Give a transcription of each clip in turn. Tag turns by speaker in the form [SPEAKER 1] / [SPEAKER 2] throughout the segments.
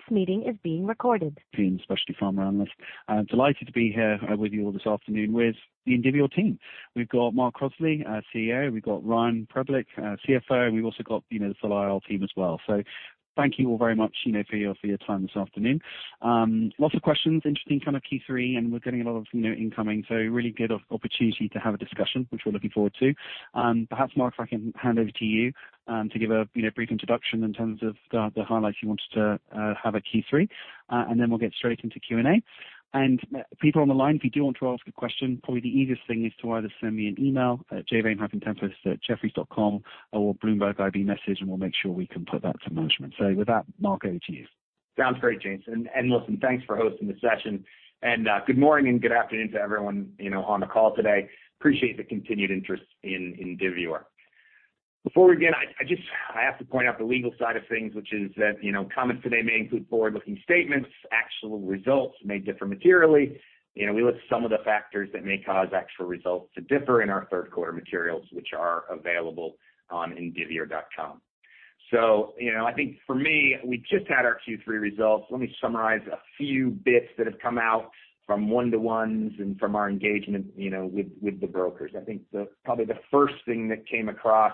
[SPEAKER 1] ... Being Specialty Pharma Analyst. I'm delighted to be here with you all this afternoon with the Indivior team. We've got Mark Crossley, our CEO, we've got Ryan Preblich, our CFO, and we've also got, you know, the full IR team as well. So thank you all very much, you know, for your time this afternoon. Lots of questions, interesting kind of Q3, and we're getting a lot of, you know, incoming, so really good opportunity to have a discussion, which we're looking forward to. Perhaps, Mark, if I can hand over to you to give a brief introduction in terms of the highlights you wanted to have at Q3, and then we'll get straight into Q&A. People on the line, if you do want to ask a question, probably the easiest thing is to either send me an email at jvane-tempest@jefferies.com, or Bloomberg IB message, and we'll make sure we can put that to management. So with that, Mark, over to you.
[SPEAKER 2] Sounds great, James. And listen, thanks for hosting the session. Good morning and good afternoon to everyone, you know, on the call today. I appreciate the continued interest in Indivior. Before we begin, I just have to point out the legal side of things, which is that, you know, comments today may include forward-looking statements. Actual results may differ materially. You know, we list some of the factors that may cause actual results to differ in our third quarter materials, which are available on indivior.com. So, you know, I think for me, we just had our Q3 results. Let me summarize a few bits that have come out from one-to-ones and from our engagement, you know, with the brokers. I think probably the first thing that came across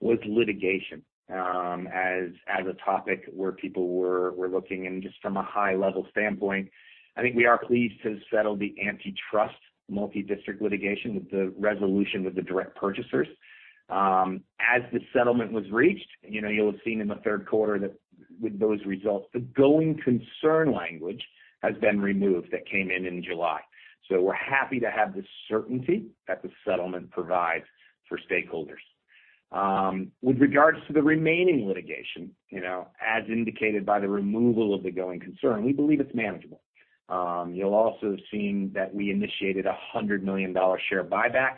[SPEAKER 2] was litigation as a topic where people were looking. Just from a high level standpoint, I think we are pleased to have settled the antitrust multidistrict litigation with the resolution with the direct purchasers. As the settlement was reached, you know, you'll have seen in the third quarter that with those results, the going concern language has been removed that came in in July. So we're happy to have the certainty that the settlement provides for stakeholders. With regards to the remaining litigation, you know, as indicated by the removal of the going concern, we believe it's manageable. You'll also have seen that we initiated a $100 million share buyback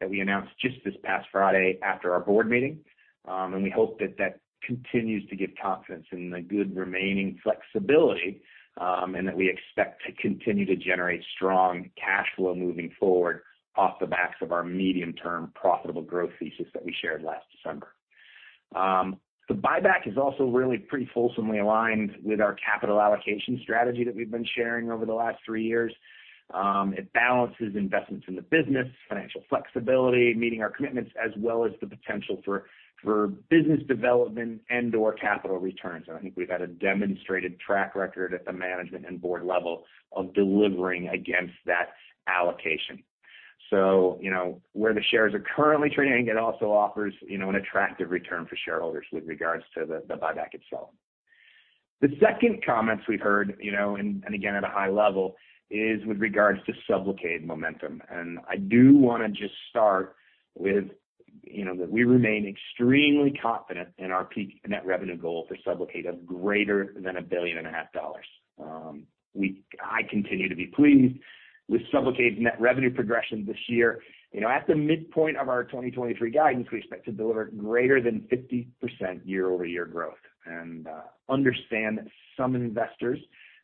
[SPEAKER 2] that we announced just this past Friday after our board meeting. We hope that that continues to give confidence in the good remaining flexibility, and that we expect to continue to generate strong cash flow moving forward off the backs of our medium-term profitable growth thesis that we shared last December. The buyback is also really pretty fulsomely aligned with our capital allocation strategy that we've been sharing over the last three years. It balances investments in the business, financial flexibility, meeting our commitments, as well as the potential for business development and/or capital returns. And I think we've had a demonstrated track record at the management and board level of delivering against that allocation. So, you know, where the shares are currently trading, it also offers, you know, an attractive return for shareholders with regards to the buyback itself. The second comments we've heard, you know, and again, at a high level, is with regards to SUBLOCADE momentum. I do wanna just start with, you know, that we remain extremely confident in our peak net revenue goal for SUBLOCADE of greater than $1.5 billion. I continue to be pleased with SUBLOCADE's net revenue progression this year. You know, at the midpoint of our 2023 guidance, we expect to deliver greater than 50% year-over-year growth. Understand that some investors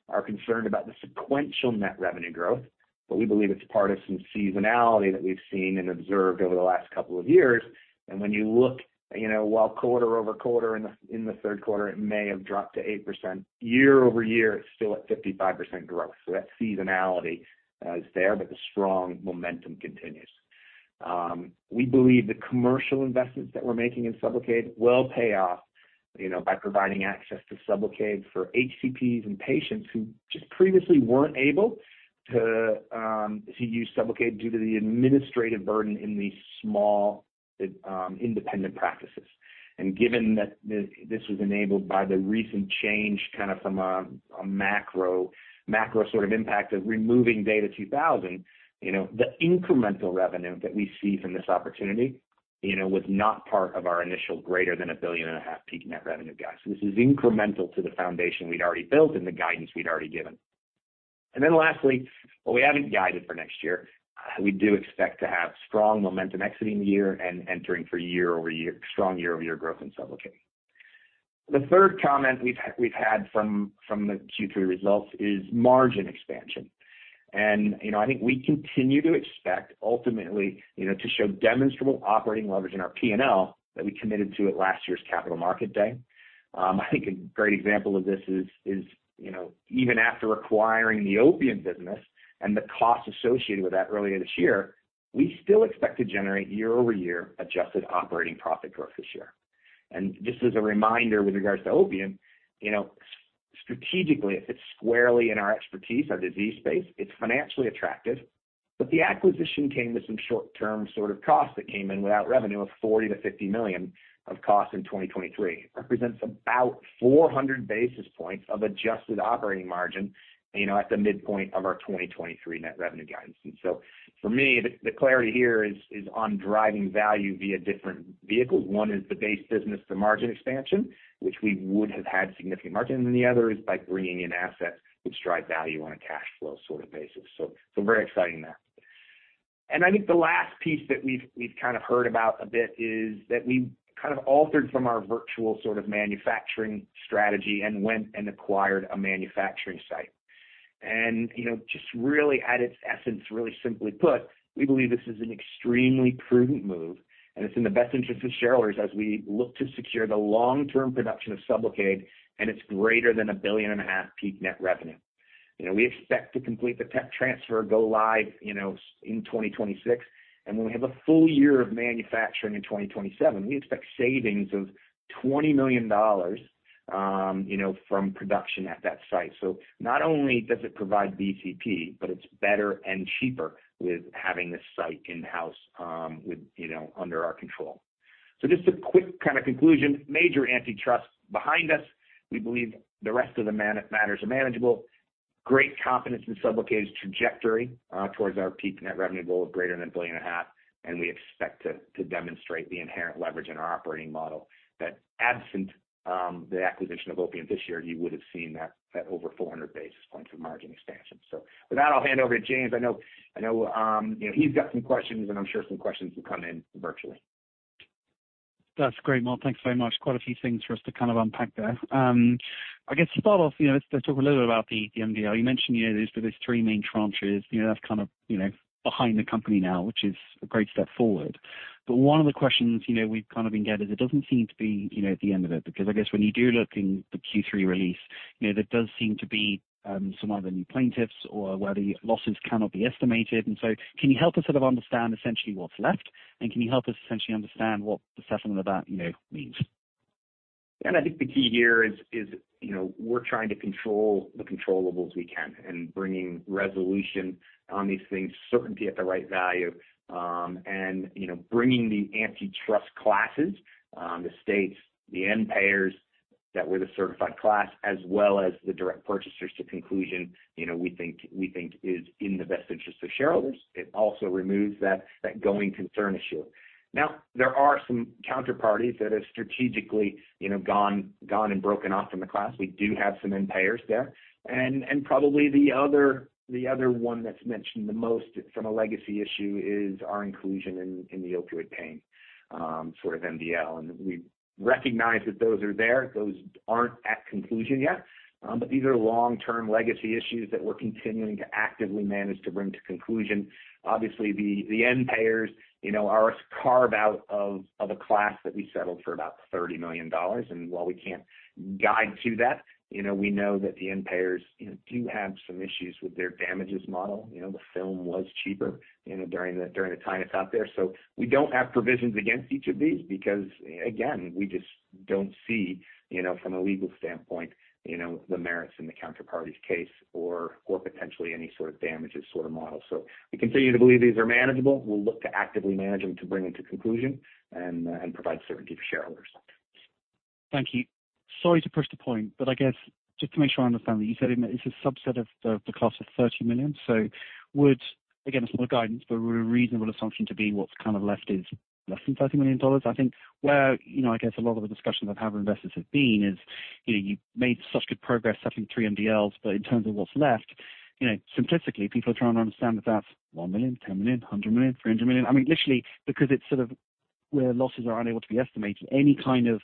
[SPEAKER 2] are concerned about the sequential net revenue growth, but we believe it's part of some seasonality that we've seen and observed over the last couple of years. And when you look, you know, while quarter-over-quarter in the third quarter, it may have dropped to 8%, year-over-year, it's still at 55% growth. So that seasonality is there, but the strong momentum continues. We believe the commercial investments that we're making in SUBLOCADE will pay off, you know, by providing access to SUBLOCADE for HCPs and patients who just previously weren't able to use SUBLOCADE due to the administrative burden in these small independent practices. And given that this was enabled by the recent change, kind of from a macro sort of impact of removing DATA 2000, you know, the incremental revenue that we see from this opportunity, you know, was not part of our initial greater than $1.5 billion peak net revenue guide. So this is incremental to the foundation we'd already built and the guidance we'd already given. And then lastly, while we haven't guided for next year, we do expect to have strong momentum exiting the year and entering for year-over-year, strong year-over-year growth in SUBLOCADE. The third comment we've had from the Q3 results is margin expansion. And, you know, I think we continue to expect ultimately, you know, to show demonstrable operating leverage in our P&L that we committed to at last year's Capital Market Day. I think a great example of this is, you know, even after acquiring the Opiant business and the costs associated with that earlier this year, we still expect to generate year-over-year adjusted operating profit growth this year. And just as a reminder, with regards to Opiant, you know, strategically, it fits squarely in our expertise, our disease space. It's financially attractive, but the acquisition came with some short-term sort of costs that came in without revenue of $40 million-$50 million of costs in 2023. Represents about 400 basis points of adjusted operating margin, you know, at the midpoint of our 2023 net revenue guidance. And so for me, the, the clarity here is, is on driving value via different vehicles. One is the base business, the margin expansion, which we would have had significant margin, and the other is by bringing in assets which drive value on a cash flow sort of basis. So, so very exciting there. And I think the last piece that we've, we've kind of heard about a bit is that we've kind of altered from our virtual sort of manufacturing strategy and went and acquired a manufacturing site. You know, just really at its essence, really simply put, we believe this is an extremely prudent move, and it's in the best interest of shareholders as we look to secure the long-term production of SUBLOCADE, and it's greater than $1.5 billion peak net revenue. You know, we expect to complete the tech transfer go live, you know, in 2026, and when we have a full year of manufacturing in 2027, we expect savings of $20 million, you know, from production at that site. So not only does it provide BCP, but it's better and cheaper with having this site in-house, with, you know, under our control. So just a quick kind of conclusion. Major antitrust behind us. We believe the rest of the matters are manageable. Great confidence in SUBLOCADE's trajectory, towards our peak net revenue goal of greater than $1.5 billion, and we expect to, to demonstrate the inherent leverage in our operating model, that absent, the acquisition of Opiant this year, you would have seen that, that over 400 basis points of margin expansion. So with that, I'll hand over to James. I know, I know, you know, he's got some questions, and I'm sure some questions will come in virtually.
[SPEAKER 1] That's great, Mark. Thanks very much. Quite a few things for us to kind of unpack there. I guess to start off, you know, let's talk a little bit about the MDL. You mentioned, you know, there's those three main tranches, you know, that's kind of, you know, behind the company now, which is a great step forward. But one of the questions, you know, we've kind of been getting is it doesn't seem to be, you know, at the end of it, because I guess when you do look in the Q3 release, you know, there does seem to be some other new plaintiffs or where the losses cannot be estimated. And so can you help us sort of understand essentially what's left? And can you help us essentially understand what the settlement of that, you know, means?
[SPEAKER 2] I think the key here is, you know, we're trying to control the controllables we can, and bringing resolution on these things, certainty at the right value. And, you know, bringing the antitrust classes, the states, the end payers that were the certified class, as well as the direct purchasers to conclusion, you know, we think is in the best interest of shareholders. It also removes that going concern issue. Now, there are some counterparties that have strategically, you know, gone and broken off from the class. We do have some N payers there. And probably the other one that's mentioned the most from a legacy issue is our inclusion in the opioid pain sort of MDL. And we recognize that those are there. Those aren't at conclusion yet, but these are long-term legacy issues that we're continuing to actively manage to bring to conclusion. Obviously, the end payers, you know, are a carve-out of a class that we settled for about $30 million, and while we can't guide to that, you know, we know that the end payers, you know, do have some issues with their damages model. You know, the film was cheaper, you know, during the time it's out there. So we don't have provisions against each of these because, again, we just don't see, you know, from a legal standpoint, you know, the merits in the counterparty's case or potentially any sort of damages sort of model. So we continue to believe these are manageable. We'll look to actively manage them to bring them to conclusion and provide certainty to shareholders.
[SPEAKER 1] Thank you. Sorry to push the point, but I guess, just to make sure I understand, you said it's a subset of the class of $30 million. So would, again, this is not a guidance, but would a reasonable assumption to be what's kind of left is less than $30 million? I think where, you know, I guess a lot of the discussions I've had with investors have been is, you know, you've made such good progress settling three MDLs, but in terms of what's left, you know, simplistically, people are trying to understand if that's $1 million, $10 million, $100 million, $300 million. I mean, literally, because it's sort of where losses are unable to be estimated, any kind of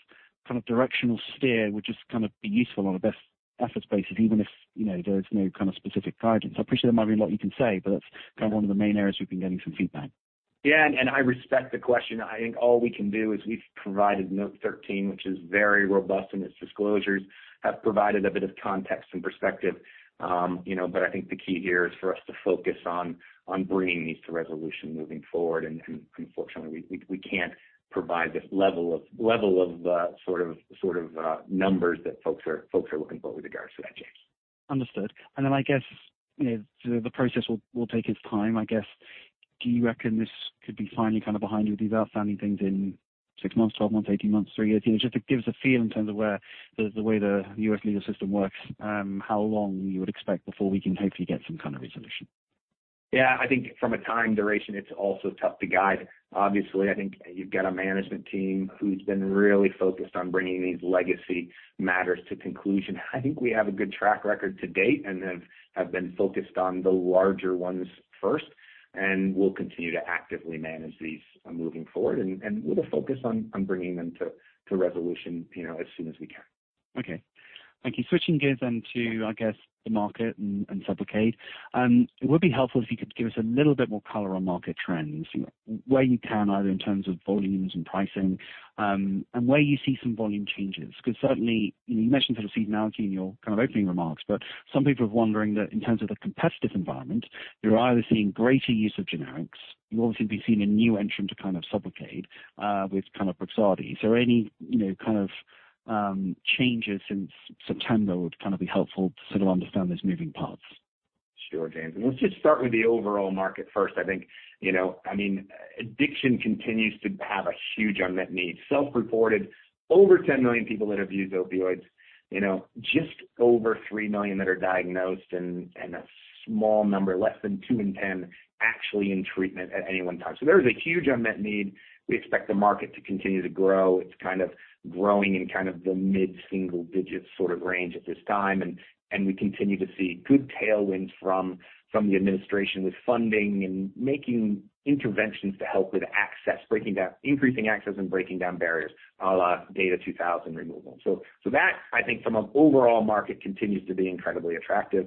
[SPEAKER 1] directional steer would just kind of be useful on a best efforts basis, even if, you know, there's no kind of specific guidance. I appreciate there might be a lot you can say, but that's kind of one of the main areas we've been getting some feedback.
[SPEAKER 2] Yeah, and I respect the question. I think all we can do is we've provided note 13, which is very robust in its disclosures, have provided a bit of context and perspective. You know, but I think the key here is for us to focus on bringing these to resolution moving forward, and unfortunately, we can't provide this level of sort of numbers that folks are looking for with regards to that, James.
[SPEAKER 1] Understood. Then I guess, you know, the process will take its time. I guess, do you reckon this could be finally kind of behind you with these outstanding things in 6 months, 12 months, 18 months, three years? You know, just to give us a feel in terms of where the way the U.S. legal system works, how long you would expect before we can hopefully get some kind of resolution.
[SPEAKER 2] Yeah, I think from a time duration, it's also tough to guide. Obviously, I think you've got a management team who's been really focused on bringing these legacy matters to conclusion. I think we have a good track record to date and have been focused on the larger ones first, and we'll continue to actively manage these moving forward, and with a focus on bringing them to resolution, you know, as soon as we can.
[SPEAKER 1] Okay. Thank you. Switching gears then to, I guess, the market and and SUBLOCADE, it would be helpful if you could give us a little bit more color on market trends, where you can, either in terms of volumes and pricing, and where you see some volume changes. Because certainly, you mentioned sort of seasonality in your kind of opening remarks, but some people are wondering that in terms of the competitive environment, they're either seeing greater use of generics, you're obviously seeing a new entrant to kind of SUBLOCADE, with kind of BRIXADI. Is there any, you know, kind of, changes since September would kind of be helpful to sort of understand those moving parts?...
[SPEAKER 2] Sure, James, and let's just start with the overall market first. I think, you know, I mean, addiction continues to have a huge unmet need. Self-reported, over 10 million people that have used opioids, you know, just over 3 million that are diagnosed and, and a small number, less than two in 10, actually in treatment at any one time. So there is a huge unmet need. We expect the market to continue to grow. It's kind of growing in kind of the mid-single digits sort of range at this time, and we continue to see good tailwinds from the administration with funding and making interventions to help with access, increasing access and breaking down barriers, a la Data 2000 removal. So that, I think from an overall market, continues to be incredibly attractive.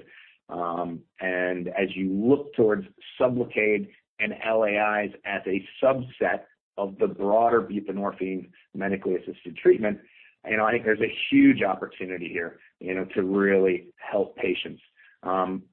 [SPEAKER 2] And as you look towards SUBLOCADE and LAIs as a subset of the broader buprenorphine medically assisted treatment, you know, I think there's a huge opportunity here, you know, to really help patients.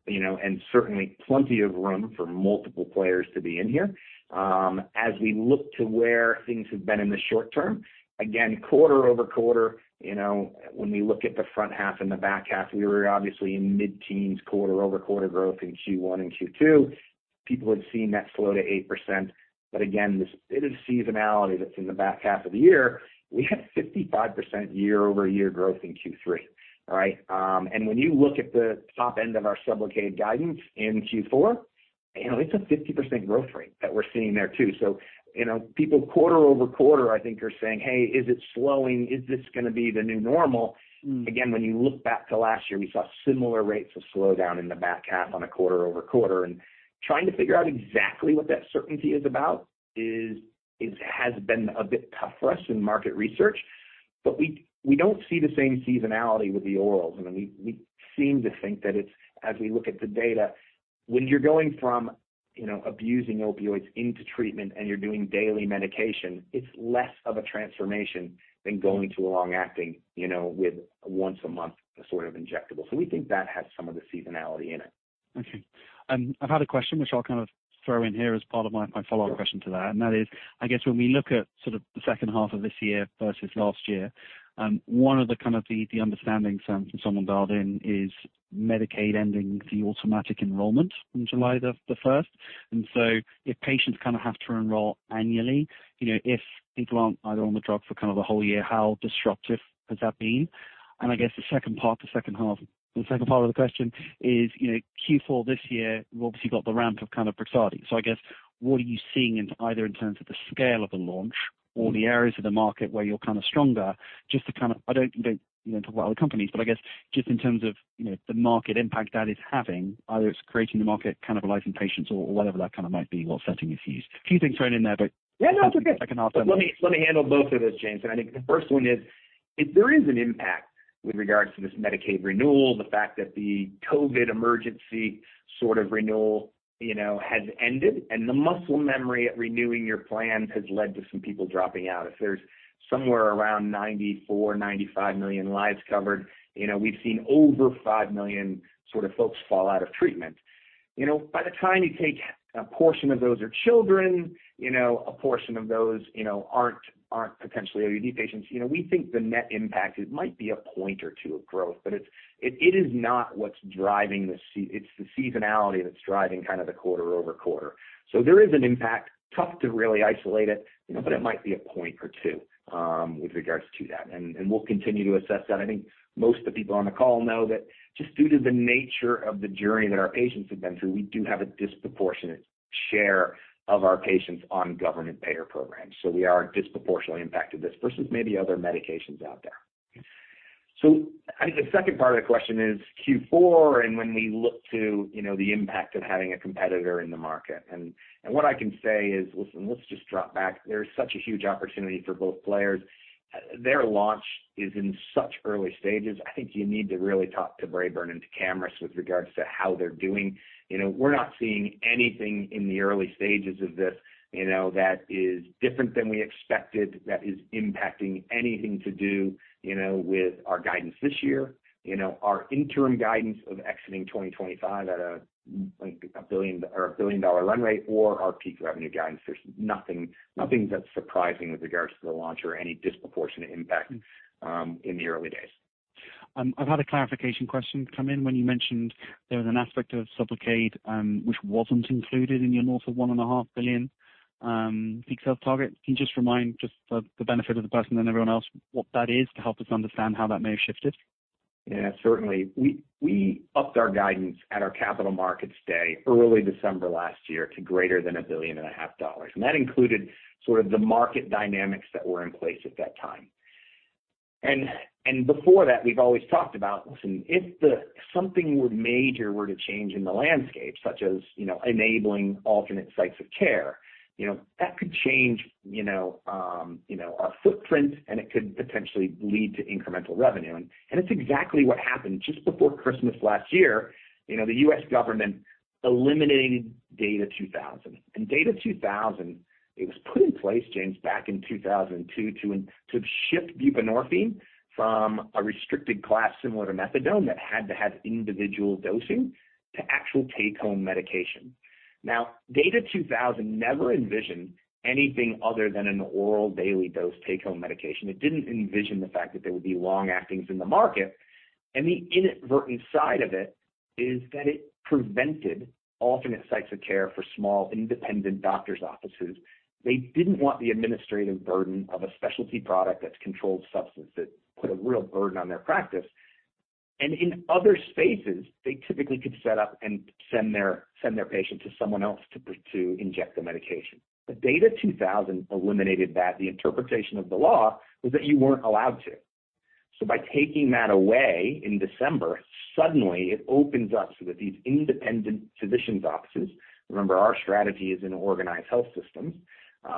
[SPEAKER 2] You know, and certainly plenty of room for multiple players to be in here. As we look to where things have been in the short term, again, quarter-over-quarter, you know, when we look at the front half and the back half, we were obviously in mid-teens quarter-over-quarter growth in Q1 and Q2. People had seen that slow to 8%, but again, this it is seasonality that's in the back half of the year. We had 55% year-over-year growth in Q3, all right? And when you look at the top end of our SUBLOCADE guidance in Q4, you know, it's a 50% growth rate that we're seeing there, too. So, you know, people quarter-over-quarter, I think, are saying, "Hey, is it slowing? Is this going to be the new normal?
[SPEAKER 1] Mm.
[SPEAKER 2] Again, when you look back to last year, we saw similar rates of slowdown in the back half on a quarter-over-quarter, and trying to figure out exactly what that certainty is about has been a bit tough for us in market research. But we don't see the same seasonality with the orals, and we seem to think that it's as we look at the data, when you're going from, you know, abusing opioids into treatment and you're doing daily medication, it's less of a transformation than going to a long-acting, you know, with once a month sort of injectable. So we think that has some of the seasonality in it.
[SPEAKER 1] Okay, I've had a question which I'll kind of throw in here as part of my follow-up question to that. And that is, I guess when we look at sort of the second half of this year versus last year, one of the kind of the understanding from someone dialed in is Medicaid ending the automatic enrollment on July the first. And so if patients kind of have to enroll annually, you know, if people aren't either on the drug for kind of the whole year, how disruptive has that been? And I guess the second part, the second half... The second part of the question is, you know, Q4 this year, we've obviously got the ramp of kind of BRIXADI. So I guess, what are you seeing in either in terms of the scale of the launch or the areas of the market where you're kind of stronger, just to kind of—I don't, you know, talk about other companies, but I guess just in terms of, you know, the market impact that is having, either it's creating the market kind of a life in patients or whatever that kind of might be, what setting is used. A few things thrown in there, but—
[SPEAKER 2] Yeah, no, it's okay.
[SPEAKER 1] I can ask them.
[SPEAKER 2] Let me, let me handle both of those, James. And I think the first one is, if there is an impact with regards to this Medicaid renewal, the fact that the COVID emergency sort of renewal, you know, has ended, and the muscle memory at renewing your plans has led to some people dropping out. If there's somewhere around 94 million, 95 million lives covered, you know, we've seen over 5 million sort of folks fall out of treatment. You know, by the time you take a portion of those are children, you know, a portion of those, you know, aren't, aren't potentially OUD patients. You know, we think the net impact, it might be a point or two of growth, but it's, it is not what's driving it's the seasonality that's driving kind of the quarter-over-quarter. So there is an impact. Tough to really isolate it, you know, but it might be a point or two with regards to that, and we'll continue to assess that. I think most of the people on the call know that just due to the nature of the journey that our patients have been through, we do have a disproportionate share of our patients on government payer programs, so we are disproportionately impacted this, versus maybe other medications out there. So I think the second part of the question is Q4, and when we look to, you know, the impact of having a competitor in the market, and what I can say is, listen, let's just drop back. There's such a huge opportunity for both players. Their launch is in such early stages. I think you need to really talk to Braeburn and to Camurus with regards to how they're doing. You know, we're not seeing anything in the early stages of this, you know, that is different than we expected, that is impacting anything to do, you know, with our guidance this year. You know, our interim guidance of exiting 2025 at a, like, a $1 billion, or a billion-dollar run rate or our peak revenue guidance. There's nothing, nothing that's surprising with regards to the launch or any disproportionate impact in the early days.
[SPEAKER 1] I've had a clarification question come in. When you mentioned there was an aspect of SUBLOCADE, which wasn't included in your north of $1.5 billion, peak sales target. Can you just remind, just for the benefit of the person and everyone else, what that is, to help us understand how that may have shifted?
[SPEAKER 2] Yeah, certainly. We upped our guidance at our capital markets day, early December last year, to greater than $1.5 billion, and that included sort of the market dynamics that were in place at that time. And before that, we've always talked about, listen, if something major were to change in the landscape, such as, you know, enabling alternate sites of care, you know, that could change, you know, our footprint, and it could potentially lead to incremental revenue. And it's exactly what happened just before Christmas last year. You know, the U.S. government eliminated Data 2000. And Data 2000, it was put in place, James, back in 2002 to shift buprenorphine from a restricted class similar to methadone, that had to have individual dosing, to actual take-home medication. Now, Data 2000 never envisioned anything other than an oral daily dose take-home medication. It didn't envision the fact that there would be long-actings in the market, and the inadvertent side of it is that it prevented alternate sites of care for small, independent doctor's offices. They didn't want the administrative burden of a specialty product that's controlled substance, that put a real burden on their practice. And in other spaces, they typically could set up and send their patient to someone else to inject the medication. But Data 2000 eliminated that. The interpretation of the law was that you weren't allowed to. So by taking that away in December, suddenly it opens up so that these independent physicians' offices, remember, our strategy is in organized health systems,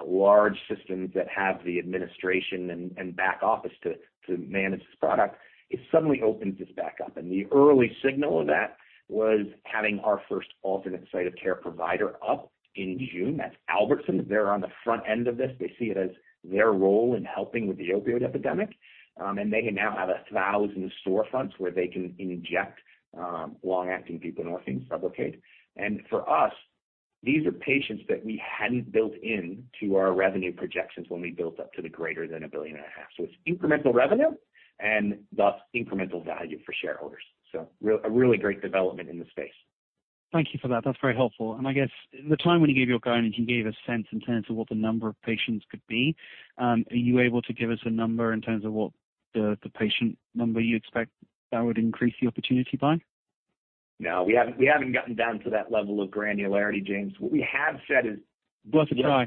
[SPEAKER 2] large systems that have the administration and back office to manage this product. It suddenly opens this back up, and the early signal of that was having our first alternate site of care provider up in June. That's Albertsons. They're on the front end of this. They see it as their role in helping with the opioid epidemic, and they now have 1,000 storefronts where they can inject long-acting buprenorphine SUBLOCADE. And for us, these are patients that we hadn't built in to our revenue projections when we built up to the greater than $1.5 billion. So it's incremental revenue and thus incremental value for shareholders. So a really great development in the space.
[SPEAKER 1] Thank you for that. That's very helpful. I guess the time when you gave your guidance, you gave a sense in terms of what the number of patients could be. Are you able to give us a number in terms of what the patient number you expect that would increase the opportunity by?
[SPEAKER 2] No, we haven't, we haven't gotten down to that level of granularity, James. What we have said is-
[SPEAKER 1] Worth a try.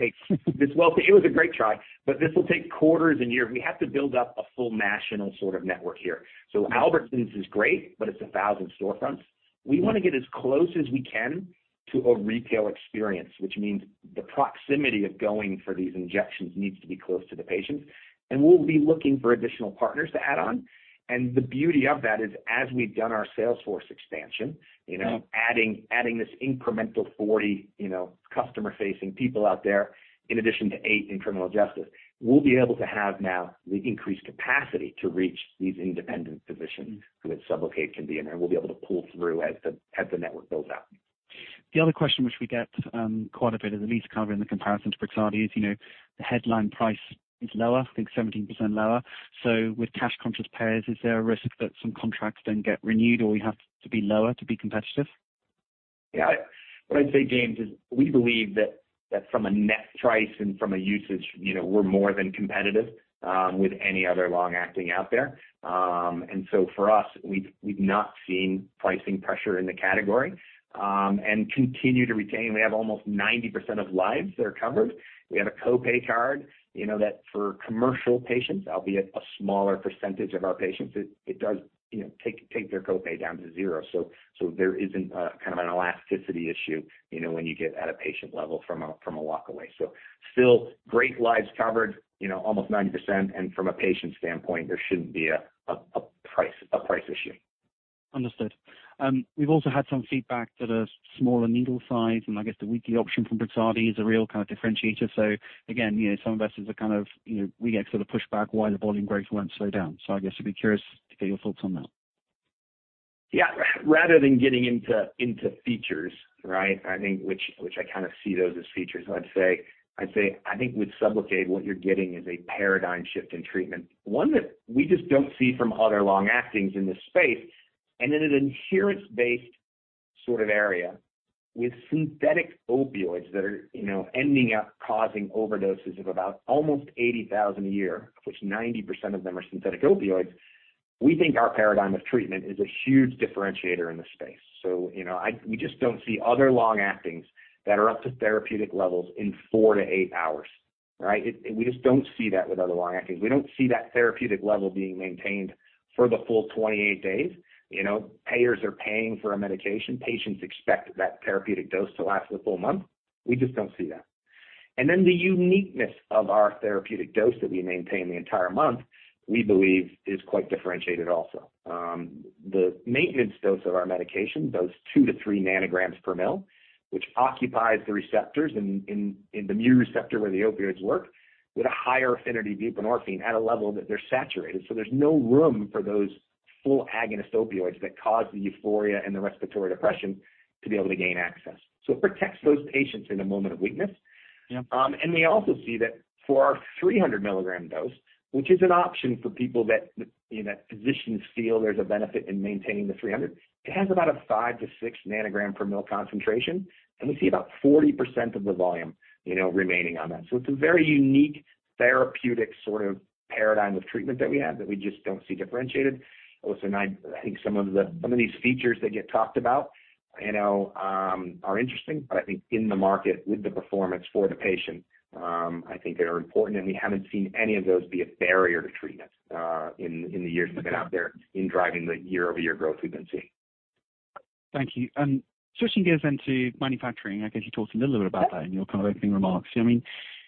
[SPEAKER 2] Well, it was a great try, but this will take quarters and years. We have to build up a full national sort of network here. So Albertsons is great, but it's 1,000 storefronts. We want to get as close as we can to a retail experience, which means the proximity of going for these injections needs to be close to the patients, and we'll be looking for additional partners to add on. And the beauty of that is, as we've done our sales force expansion, you know-
[SPEAKER 1] Mm-hmm...
[SPEAKER 2] adding this incremental 40, you know, customer-facing people out there, in addition to eight in criminal justice, we'll be able to have now the increased capacity to reach these independent physicians, who at SUBLOCADE, can be in there. We'll be able to pull through as the network builds out.
[SPEAKER 1] The other question which we get quite a bit of, at least covering the comparison to BRIXADI is, you know, the headline price is lower, I think 17% lower. So with cash-conscious payers, is there a risk that some contracts don't get renewed or we have to be lower to be competitive?
[SPEAKER 2] Yeah. What I'd say, James, is we believe that from a net price and from a usage, you know, we're more than competitive with any other long-acting out there. And so for us, we've not seen pricing pressure in the category and continue to retain... We have almost 90% of lives that are covered. We have a co-pay card, you know, that for commercial patients, albeit a smaller percentage of our patients, it does, you know, take their co-pay down to zero. So there isn't kind of an elasticity issue, you know, when you get at a patient level from a walk away. So still great lives covered, you know, almost 90%, and from a patient standpoint, there shouldn't be a price issue.
[SPEAKER 1] Understood. We've also had some feedback that a smaller needle size and I guess the weekly option from BRIXADI is a real kind of differentiator. So again, you know, some investors are kind of, you know, we get sort of pushback why the volume growth won't slow down. So I guess I'd be curious to get your thoughts on that.
[SPEAKER 2] Yeah. Rather than getting into, into features, right? I think which, which I kind of see those as features. I'd say, I'd say, I think with SUBLOCADE, what you're getting is a paradigm shift in treatment. One that we just don't see from other long-actings in this space, and in an adherence-based sort of area with synthetic opioids that are, you know, ending up causing overdoses of about almost 80,000 a year, of which 90% of them are synthetic opioids. We think our paradigm of treatment is a huge differentiator in this space. So, you know, we just don't see other long-actings that are up to therapeutic levels in four hours-eight hours, right? We just don't see that with other long-actings. We don't see that therapeutic level being maintained for the full 28 days. You know, payers are paying for a medication. Patients expect that therapeutic dose to last for a full month. We just don't see that. And then the uniqueness of our therapeutic dose that we maintain the entire month, we believe is quite differentiated also. The maintenance dose of our medication, dose 2 ng/mL-3 ng/mL, which occupies the receptors in the Mu receptor where the opioids work, with a higher affinity buprenorphine at a level that they're saturated. So there's no room for those full agonist opioids that cause the euphoria and the respiratory depression to be able to gain access. So it protects those patients in a moment of weakness.
[SPEAKER 1] Yeah.
[SPEAKER 2] And we also see that for our 300 mg dose, which is an option for people that, you know, physicians feel there's a benefit in maintaining the 300, it has about a 5 ng/mL-6 ng/mL concentration, and we see about 40% of the volume, you know, remaining on that. So it's a very unique therapeutic sort of paradigm of treatment that we have, that we just don't see differentiated. Listen, I think some of these features that get talked about, you know, are interesting, but I think in the market, with the performance for the patient, I think they are important, and we haven't seen any of those be a barrier to treatment, in the years they've been out there in driving the year-over-year growth we've been seeing.
[SPEAKER 1] Thank you. And switching gears into manufacturing, I guess you talked a little bit about that in your kind of opening remarks. I mean,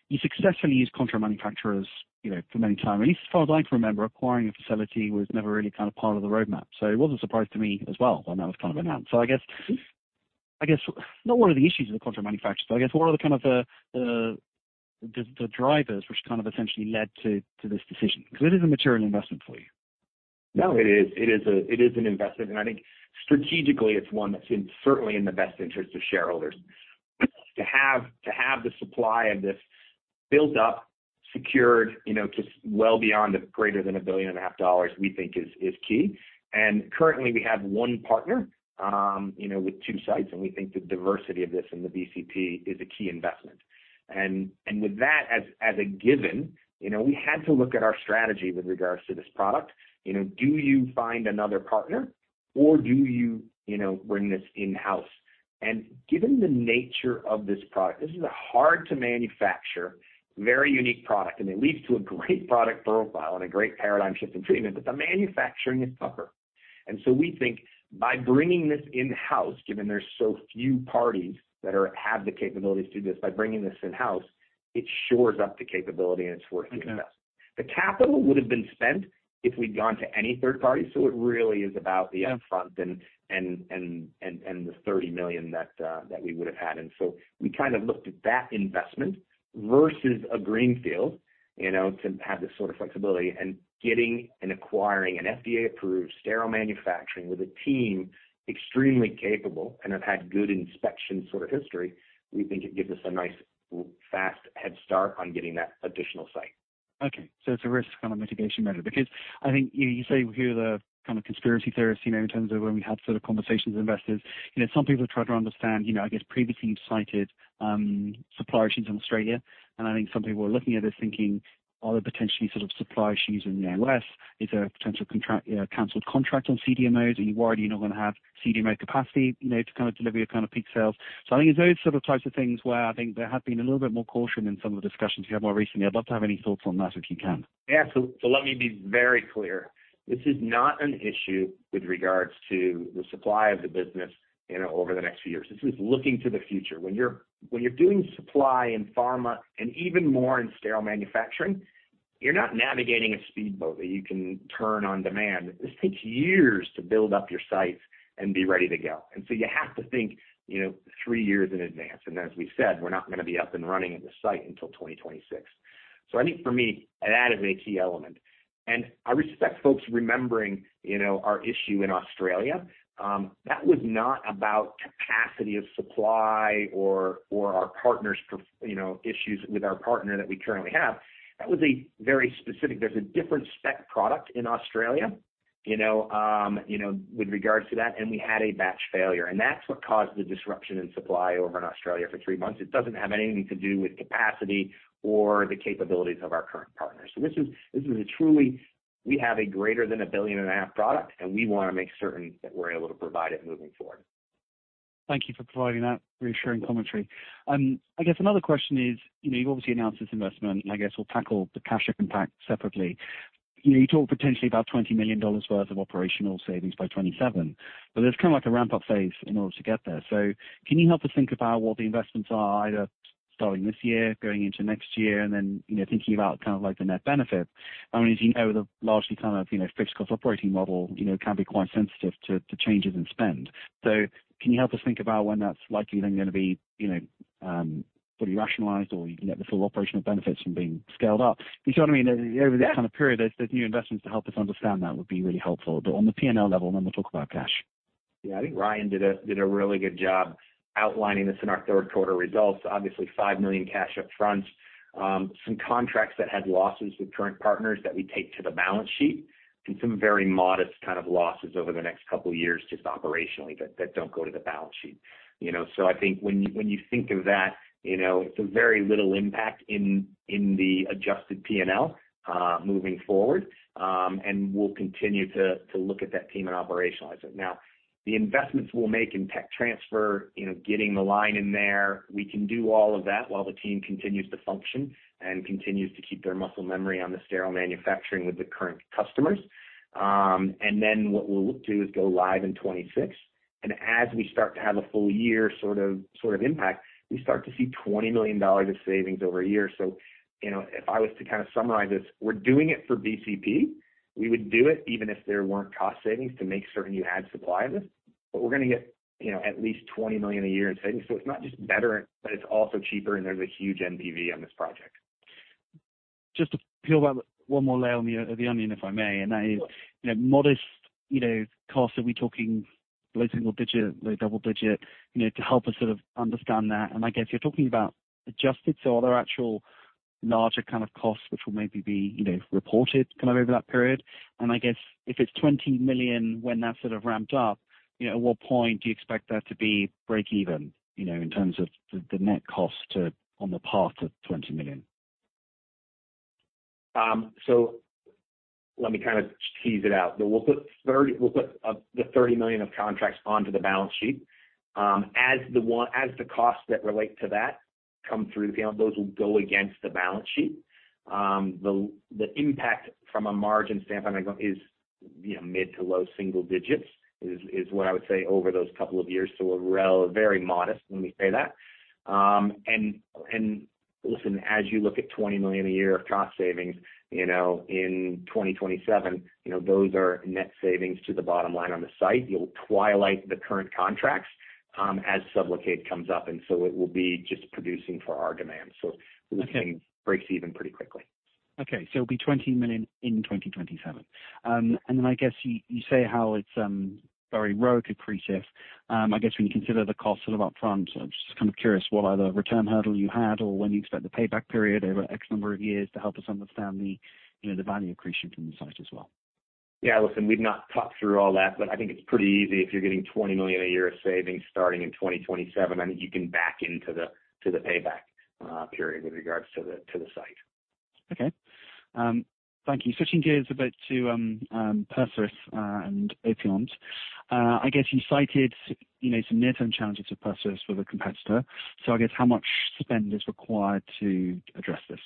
[SPEAKER 1] you successfully used contract manufacturers, you know, for many time. At least as far as I can remember, acquiring a facility was never really kind of part of the roadmap, so it was a surprise to me as well when that was kind of announced. So I guess, not what are the issues with the contract manufacturer, but I guess what are the kind of the drivers which kind of essentially led to this decision? Because it is a material investment for you....
[SPEAKER 2] No, it is an investment, and I think strategically, it's one that's in, certainly in the best interest of shareholders. To have the supply of this built up, secured, you know, just well beyond the greater than $1.5 billion, we think is key. And currently we have one partner, you know, with two sites, and we think the diversity of this in the BCP is a key investment. And with that, as a given, you know, we had to look at our strategy with regards to this product. You know, do you find another partner or do you, you know, bring this in-house? Given the nature of this product, this is a hard to manufacture, very unique product, and it leads to a great product profile and a great paradigm shift in treatment, but the manufacturing is tougher. So we think by bringing this in-house, given there's so few parties that have the capabilities to do this, by bringing this in-house, it shores up the capability and it's worth the investment. The capital would have been spent if we'd gone to any third party, so it really is about the upfront and the $30 million that we would have had. And so we kind of looked at that investment versus a greenfield, you know, to have this sort of flexibility, and getting and acquiring an FDA-approved sterile manufacturing with a team extremely capable and have had good inspection sort of history, we think it gives us a nice, fast head start on getting that additional site.
[SPEAKER 1] Okay, so it's a risk kind of mitigation measure. Because I think you, you say we hear the kind of conspiracy theorists, you know, in terms of when we have sort of conversations with investors. You know, some people have tried to understand, you know, I guess previously you've cited supplier issues in Australia, and I think some people are looking at this thinking, are there potentially sort of supply issues in the U.S.? Is there a potential contract canceled contract on CDMO? Are you worried you're not going to have CDMO capacity, you know, to kind of deliver your kind of peak sales? So I think it's those sort of types of things where I think there have been a little bit more caution in some of the discussions we had more recently. I'd love to have any thoughts on that, if you can.
[SPEAKER 2] Yeah. So, so let me be very clear. This is not an issue with regards to the supply of the business, you know, over the next few years. This is looking to the future. When you're, when you're doing supply in pharma and even more in sterile manufacturing, you're not navigating a speedboat that you can turn on demand. This takes years to build up your sites and be ready to go. And so you have to think, you know, three years in advance. And as we said, we're not going to be up and running at the site until 2026. So I think for me, that is a key element. And I respect folks remembering, you know, our issue in Australia. That was not about capacity of supply or, or our partners, you know, issues with our partner that we currently have. That was a very specific. There's a different spec product in Australia, you know, with regards to that, and we had a batch failure, and that's what caused the disruption in supply over in Australia for three months. It doesn't have anything to do with capacity or the capabilities of our current partners. So this is truly a product we have greater than $1.5 billion, and we want to make certain that we're able to provide it moving forward.
[SPEAKER 1] Thank you for providing that reassuring commentary. I guess another question is, you know, you obviously announced this investment, and I guess we'll tackle the cash impact separately. You know, you talk potentially about $20 million worth of operational savings by 2027, but there's kind of like a ramp-up phase in order to get there. So can you help us think about what the investments are, either starting this year, going into next year, and then, you know, thinking about kind of like the net benefit? I mean, as you know, the largely kind of, you know, fixed cost operating model, you know, can be quite sensitive to changes in spend. So can you help us think about when that's likely then gonna be, you know, fully rationalized or you can get the full operational benefits from being scaled up? You see what I mean?
[SPEAKER 2] Yeah.
[SPEAKER 1] Over that kind of period, those new investments to help us understand that would be really helpful. But on the P&L level, then we'll talk about cash.
[SPEAKER 2] Yeah, I think Ryan did a really good job outlining this in our third quarter results. Obviously, $5 million cash upfront, some contracts that had losses with current partners that we take to the balance sheet, and some very modest kind of losses over the next couple of years, just operationally, that don't go to the balance sheet. You know, so I think when you think of that, you know, it's a very little impact in the adjusted P&L moving forward, and we'll continue to look at that team and operationalize it. Now, the investments we'll make in tech transfer, you know, getting the line in there, we can do all of that while the team continues to function and continues to keep their muscle memory on the sterile manufacturing with the current customers. And then what we'll look to is go live in 2026. And as we start to have a full year sort of impact, we start to see $20 million of savings over a year. So you know, if I was to kind of summarize this, we're doing it for BCP. We would do it even if there weren't cost savings to make certain you had supply of this, but we're gonna get, you know, at least $20 million a year in savings. So it's not just better, but it's also cheaper, and there's a huge NPV on this project.
[SPEAKER 1] Just to peel back one more layer on the onion, if I may, and that is, you know, modest, you know, costs, are we talking low single digit, low double digit, you know, to help us sort of understand that. And I guess you're talking about adjusted, so are there actual larger kind of costs which will maybe be, you know, reported kind of over that period? And I guess if it's $20 million when that's sort of ramped up, you know, at what point do you expect that to be breakeven, you know, in terms of the net cost to—on the path to $20 million?
[SPEAKER 2] So let me kind of tease it out. We'll put $30 million of contracts onto the balance sheet. As the costs that relate to that come through the channel, those will go against the balance sheet. The impact from a margin standpoint is, you know, mid- to low-single digits, is what I would say over those couple of years. So we're very modest when we say that. And listen, as you look at $20 million a year of cost savings, you know, in 2027, you know, those are net savings to the bottom line on the site. You'll twilight the current contracts, as SUBLOCADE comes up, and so it will be just producing for our demands.
[SPEAKER 1] Okay.
[SPEAKER 2] Listening breaks even pretty quickly....
[SPEAKER 1] Okay, so it'll be $20 million in 2027. And then I guess you say how it's very ROIC accretive. I guess when you consider the cost sort of upfront, so I'm just kind of curious what are the return hurdle you had or when you expect the payback period over X number of years to help us understand the, you know, the value accretion from the site as well?
[SPEAKER 2] Yeah, listen, we've not talked through all that, but I think it's pretty easy if you're getting $20 million a year of savings starting in 2027. I mean, you can back into the payback period with regards to the site.
[SPEAKER 1] Okay. Thank you. Switching gears a bit to PERSERIS and Opiant. I guess you cited, you know, some near-term challenges of PERSERIS with a competitor. So I guess how much spend is required to address this?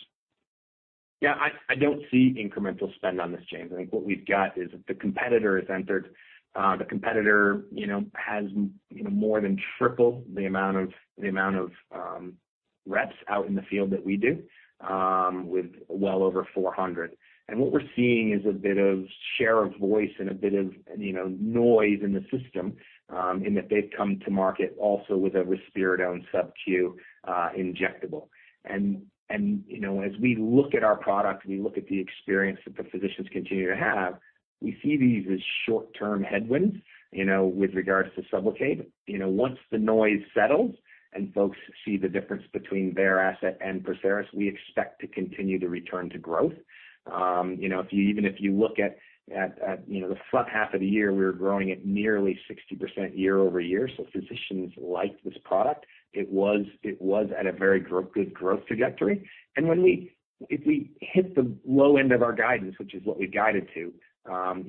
[SPEAKER 2] Yeah, I don't see incremental spend on this, James. I think what we've got is the competitor has entered, the competitor, you know, has, you know, more than tripled the amount of reps out in the field that we do, with well over 400. And what we're seeing is a bit of share of voice and a bit of, you know, noise in the system, in that they've come to market also with a risperidone subQ injectable. And you know, as we look at our product, we look at the experience that the physicians continue to have, we see these as short-term headwinds, you know, with regards to SUBLOCADE. You know, once the noise settles and folks see the difference between their asset and PERSERIS, we expect to continue to return to growth. You know, even if you look at the front half of the year, we were growing at nearly 60% year-over-year, so physicians like this product. It was at a very good growth trajectory. If we hit the low end of our guidance, which is what we guided to,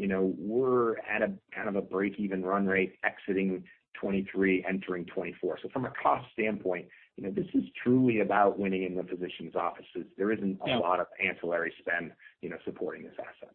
[SPEAKER 2] you know, we're at a kind of a break-even run rate, exiting 2023, entering 2024. So from a cost standpoint, you know, this is truly about winning in the physician's offices. There isn't a lot of ancillary spend, you know, supporting this asset.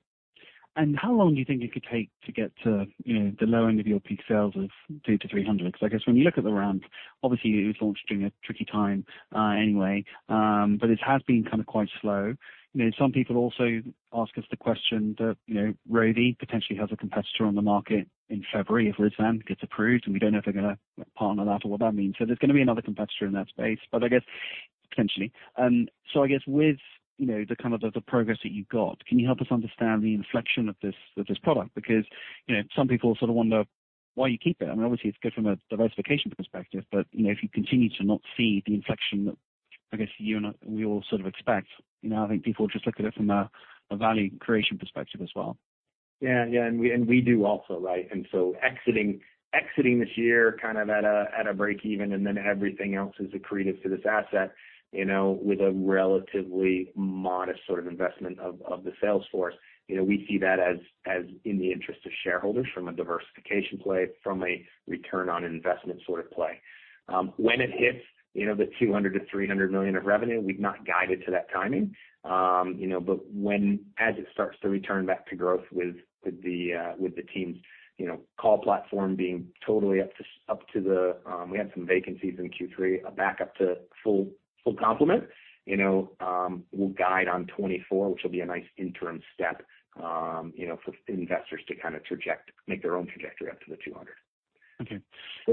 [SPEAKER 1] How long do you think it could take to get to, you know, the low end of your peak sales of $200-$300? Because I guess when you look at the ramp, obviously it was launched during a tricky time, anyway, but it has been kind of quite slow. You know, some people also ask us the question that, you know, Rovi potentially has a competitor on the market in February, if Risvan gets approved, and we don't know if they're gonna partner that or what that means. So there's gonna be another competitor in that space, but I guess potentially. So I guess with, you know, the kind of the progress that you've got, can you help us understand the inflection of this, of this product? Because, you know, some people sort of wonder why you keep it. I mean, obviously, it's good from a diversification perspective, but, you know, if you continue to not see the inflection that I guess you and I- we all sort of expect, you know, I think people just look at it from a value creation perspective as well.
[SPEAKER 2] Yeah, yeah, we do also, right? And so exiting this year, kind of at a break even, and then everything else is accretive to this asset, you know, with a relatively modest sort of investment of the sales force. You know, we see that as in the interest of shareholders from a diversification play, from a return on investment sort of play. When it hits, you know, the $200 million-$300 million of revenue, we've not guided to that timing. You know, but when as it starts to return back to growth with the teams, you know, call platform being totally up to s- up to the. We had some vacancies in Q3, back up to full complement. You know, we'll guide on 2024, which will be a nice interim step, you know, for investors to kind of make their own trajectory up to the 200.
[SPEAKER 1] Okay,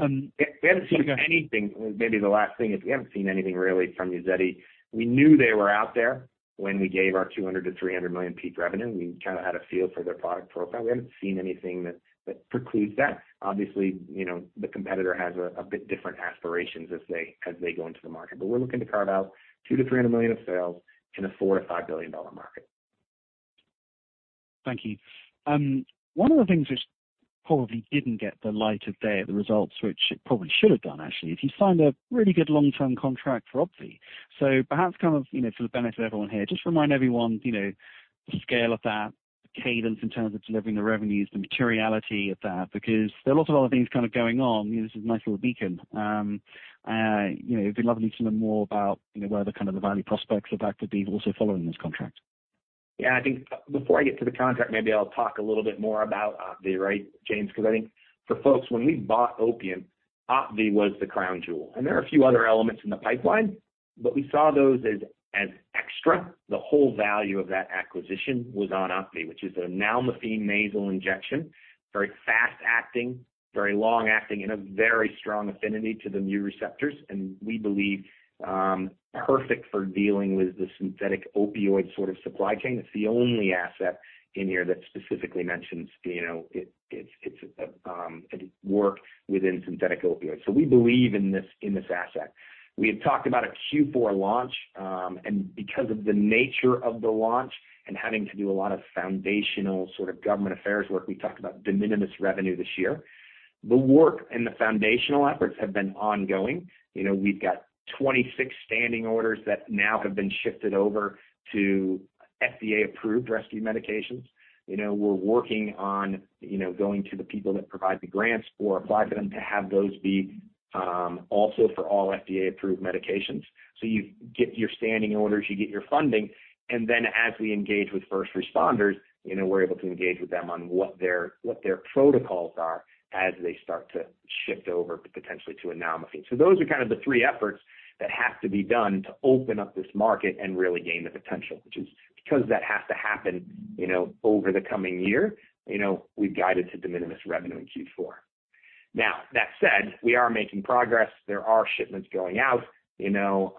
[SPEAKER 1] um-
[SPEAKER 2] We haven't seen anything. Maybe the last thing is, we haven't seen anything really from Uzedy. We knew they were out there when we gave our $200 million-$300 million peak revenue. We kind of had a feel for their product profile. We haven't seen anything that, that precludes that. Obviously, you know, the competitor has a, a bit different aspirations as they, as they go into the market. But we're looking to carve out $200 million-$300 million of sales in a $4 billion-$5 billion market.
[SPEAKER 1] Thank you. One of the things which probably didn't get the light of day at the results, which it probably should have done actually, is you signed a really good long-term contract for OPVEE. So perhaps kind of, you know, for the benefit of everyone here, just remind everyone, you know, the scale of that, the cadence in terms of delivering the revenues, the materiality of that, because there are a lot of other things kind of going on. You know, this is a nice little beacon. You know, it'd be lovely to know more about, you know, where the kind of the value prospects of that could be also following this contract.
[SPEAKER 2] Yeah, I think before I get to the contract, maybe I'll talk a little bit more about OPVEE, right, James? Because I think for folks, when we bought Opiant, OPVEE was the crown jewel. And there are a few other elements in the pipeline, but we saw those as extra. The whole value of that acquisition was on OPVEE, which is a nalmefene nasal injection, very fast acting, very long acting, and a very strong affinity to the mu receptors, and we believe perfect for dealing with the synthetic opioid sort of supply chain. It's the only asset in here that specifically mentions, you know, it works within synthetic opioids. So we believe in this asset. We had talked about a Q4 launch, and because of the nature of the launch and having to do a lot of foundational sort of government affairs work, we talked about de minimis revenue this year. The work and the foundational efforts have been ongoing. You know, we've got 26 standing orders that now have been shifted over to FDA-approved rescue medications. You know, we're working on, you know, going to the people that provide the grants or apply for them to have those be also for all FDA-approved medications. So you get your standing orders, you get your funding, and then as we engage with first responders, you know, we're able to engage with them on what their, what their protocols are as they start to shift over potentially to nalmefene. So those are kind of the three efforts that have to be done to open up this market and really gain the potential, which is because that has to happen, you know, over the coming year. You know, we've guided to de minimis revenue in Q4. Now, that said, we are making progress. There are shipments going out, you know,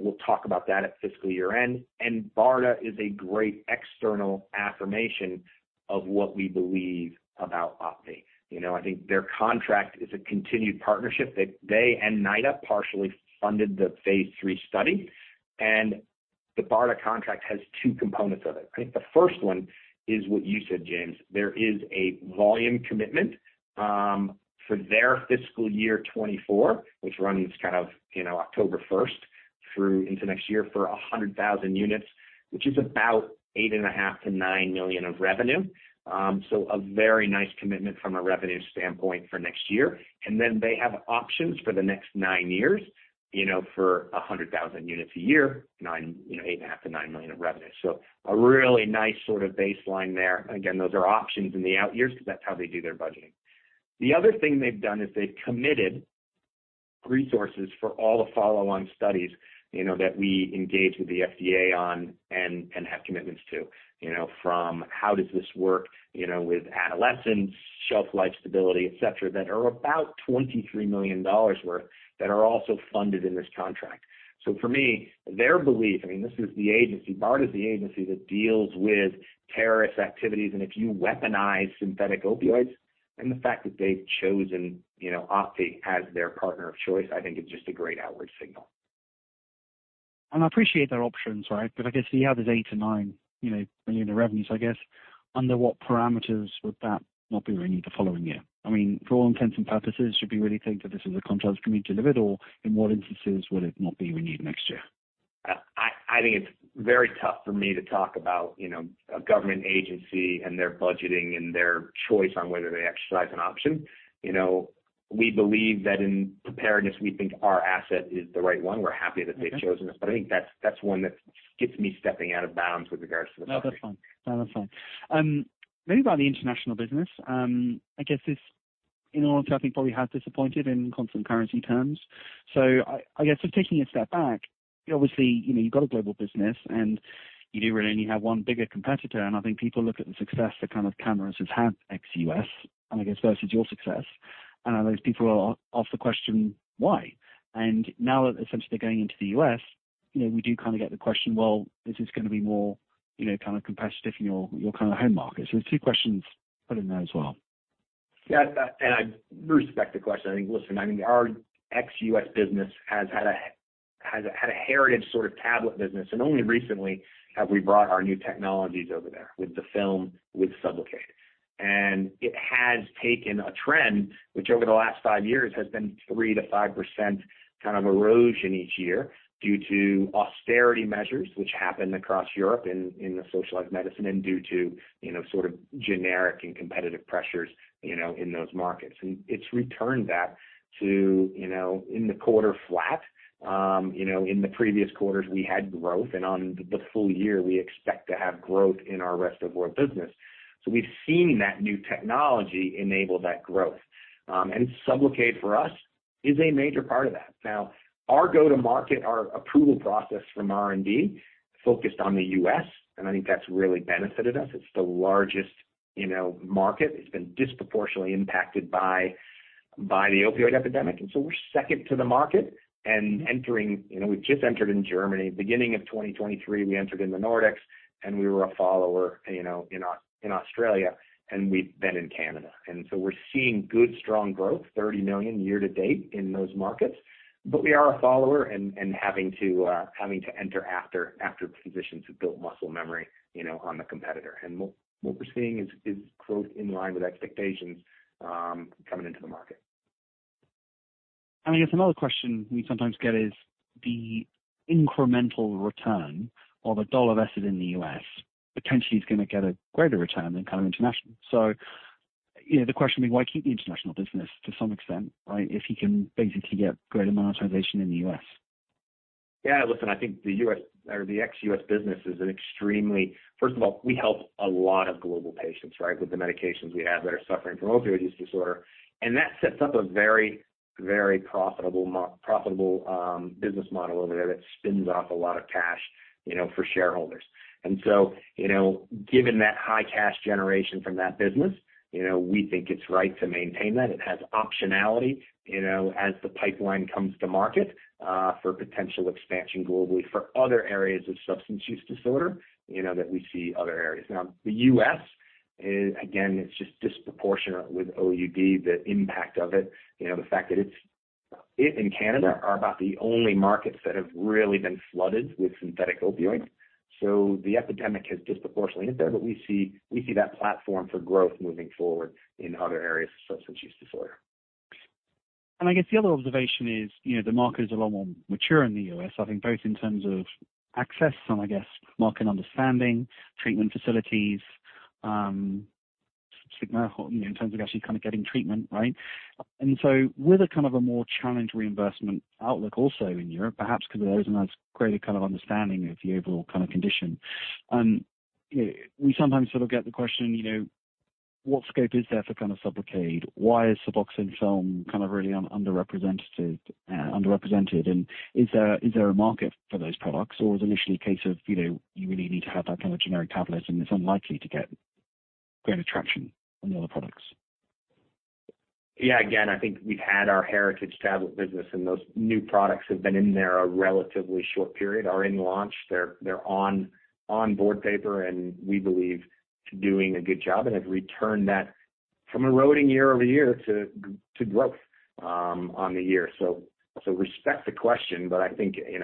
[SPEAKER 2] we'll talk about that at fiscal year-end, and BARDA is a great external affirmation of what we believe about OPVEE. You know, I think their contract is a continued partnership, that they and NIDA partially funded the phase three study, and the BARDA contract has two components of it. I think the first one is what you said, James. There is a volume commitment for their fiscal year 2024, which runs kind of, you know, October first through into next year for 100,000 units, which is about $8.5 million-$9 million of revenue. So a very nice commitment from a revenue standpoint for next year. And then they have options for the next 9 years, you know, for 100,000 units a year, nine, you know, $8.5 million-$9 million of revenue. So a really nice sort of baseline there. Again, those are options in the out years because that's how they do their budgeting. The other thing they've done is they've committed resources for all the follow-on studies, you know, that we engage with the FDA on and have commitments to, you know, from how does this work, you know, with adolescents, shelf life stability, et cetera, that are about $23 million worth, that are also funded in this contract. So for me, their belief, I mean, this is the agency, BARDA is the agency that deals with terrorist activities, and if you weaponize synthetic opioids, and the fact that they've chosen, you know, Opiant as their partner of choice, I think is just a great outward signal.
[SPEAKER 1] I appreciate their options, right? But I guess, yeah, there's $8 million-$9 million, you know, in revenue. So I guess, under what parameters would that not be renewed the following year? I mean, for all intents and purposes, should we really think that this is a contract that's going to be delivered, or in what instances would it not be renewed next year?
[SPEAKER 2] I think it's very tough for me to talk about, you know, a government agency and their budgeting and their choice on whether they exercise an option. You know, we believe that in preparedness, we think our asset is the right one. We're happy that they've chosen us, but I think that's one that gets me stepping out of bounds with regards to the subject.
[SPEAKER 1] No, that's fine. No, that's fine. Maybe about the international business, I guess it's in all, I think probably has disappointed in constant currency terms. So I, I guess, so taking a step back, obviously, you know, you've got a global business and you do really only have one bigger competitor, and I think people look at the success the kind of Camurus has had ex-U.S., and I guess versus your success, those people will ask the question, why? And now that essentially they're going into the U.S., you know, we do kind of get the question, well, this is gonna be more, you know, kind of competitive in your, your kind of home market. So there's two questions put in there as well.
[SPEAKER 2] Yeah, and I respect the question. I think, listen, I mean, our ex-U.S. business has had a heritage sort of tablet business, and only recently have we brought our new technologies over there with the film, with SUBLOCADE. And it has taken a trend, which over the last five years has been 3%-5% kind of erosion each year due to austerity measures, which happened across Europe in the socialized medicine and due to, you know, sort of generic and competitive pressures, you know, in those markets. And it's returned back to, you know, in the quarter flat. You know, in the previous quarters, we had growth, and on the full year, we expect to have growth in our rest of world business. So we've seen that new technology enable that growth. And SUBLOCADE, for us, is a major part of that. Now, our go-to-market, our approval process from R&D focused on the U.S., and I think that's really benefited us. It's the largest, you know, market. It's been disproportionately impacted by, by the opioid epidemic, and so we're second to the market and entering... You know, we've just entered in Germany. Beginning of 2023, we entered in the Nordics, and we were a follower, you know, in Australia, and we've been in Canada. And so we're seeing good, strong growth, $30 million year to date in those markets. But we are a follower and, and having to enter after the physicians have built muscle memory, you know, on the competitor. And what we're seeing is growth in line with expectations, coming into the market.
[SPEAKER 1] I guess another question we sometimes get is the incremental return of $1 invested in the U.S., potentially is gonna get a greater return than kind of international. You know, the question being, why keep the international business to some extent, right? If you can basically get greater monetization in the U.S.
[SPEAKER 2] Yeah, listen, I think the U.S. or the ex-U.S. business is an extremely... First of all, we help a lot of global patients, right, with the medications we have that are suffering from opioid use disorder. And that sets up a very, very profitable business model over there that spins off a lot of cash, you know, for shareholders. And so, you know, given that high cash generation from that business, you know, we think it's right to maintain that. It has optionality, you know, as the pipeline comes to market, for potential expansion globally for other areas of substance use disorder, you know, that we see other areas. Now, the U.S. is, again, it's just disproportionate with OUD, the impact of it, you know, the fact that it's, it and Canada are about the only markets that have really been flooded with synthetic opioids. So the epidemic has disproportionately hit there, but we see, we see that platform for growth moving forward in other areas of substance use disorder.
[SPEAKER 1] And I guess the other observation is, you know, the market is a lot more mature in the U.S., I think both in terms of access and I guess market understanding, treatment facilities, stigma, you know, in terms of actually kind of getting treatment, right? And so with a kind of a more challenged reimbursement outlook also in Europe, perhaps because there isn't as great a kind of understanding of the overall kind of condition, we sometimes sort of get the question, you know, what scope is there for kind of SUBLOCADE? Why is Suboxone Film kind of really underrepresented? And is there a market for those products, or is it initially a case of, you know, you really need to have that kind of generic tablet, and it's unlikely to get great attraction on the other products?...
[SPEAKER 2] Yeah, again, I think we've had our heritage tablet business, and those new products have been in there a relatively short period, are in launch. They're, they're on, on board paper, and we believe doing a good job and have returned that from eroding year-over-year to growth on the year. So, respect the question, but I think, you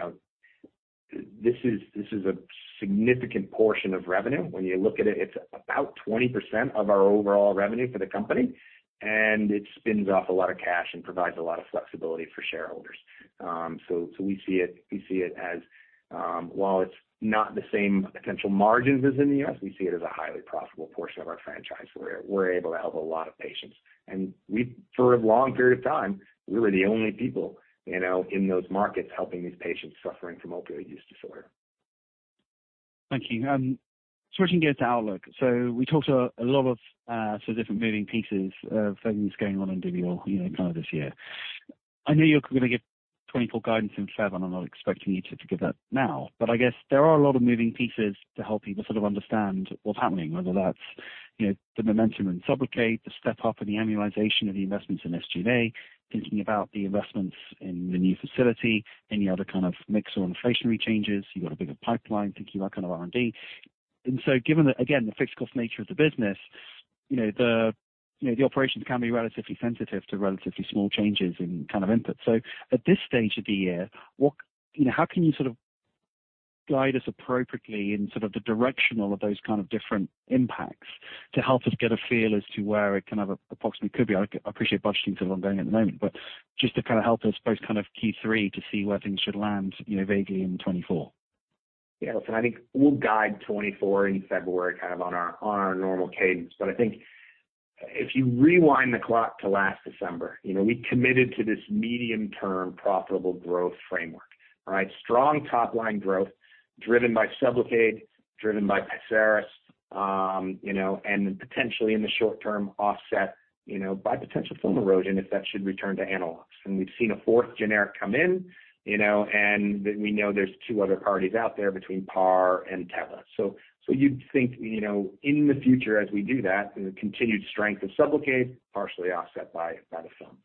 [SPEAKER 2] know, this is, this is a significant portion of revenue. When you look at it, it's about 20% of our overall revenue for the company, and it spins off a lot of cash and provides a lot of flexibility for shareholders. So, we see it, we see it as, while it's not the same potential margins as in the U.S., we see it as a highly profitable portion of our franchise, where we're able to help a lot of patients. For a long period of time, we were the only people, you know, in those markets helping these patients suffering from opioid use disorder.
[SPEAKER 1] Thank you. Switching gears to outlook. So we talked to a lot of sort of different moving pieces of things going on in Indivior, you know, kind of this year. I know you're going to give 2024 guidance in February, and I'm not expecting you to give that now. But I guess there are a lot of moving pieces to help people sort of understand what's happening, whether that's, you know, the momentum in SUBLOCADE, the step up in the annualization of the investments in SG&A, thinking about the investments in the new facility, any other kind of mix or inflationary changes. You've got a bigger pipeline, thinking about kind of R&D. And so given that, again, the fixed cost nature of the business, you know, the operations can be relatively sensitive to relatively small changes in kind of input. So at this stage of the year, what, you know, how can you sort of guide us appropriately in sort of the directional of those kind of different impacts to help us get a feel as to where it kind of approximately could be? I appreciate budgeting is ongoing at the moment, but just to kind of help us post kind of Q3 to see where things should land, you know, vaguely in 2024.
[SPEAKER 2] Yeah, listen, I think we'll guide 2024 in February, kind of on our normal cadence. But I think if you rewind the clock to last December, you know, we committed to this medium-term profitable growth framework, right? Strong top line growth, driven by SUBLOCADE, driven by PERSERIS, you know, and potentially in the short term, offset, you know, by potential film erosion if that should return to analogs. And we've seen a fourth generic come in, you know, and we know there's two other parties out there between Par and Teva. So you'd think, you know, in the future, as we do that, the continued strength of SUBLOCADE, partially offset by, by the film.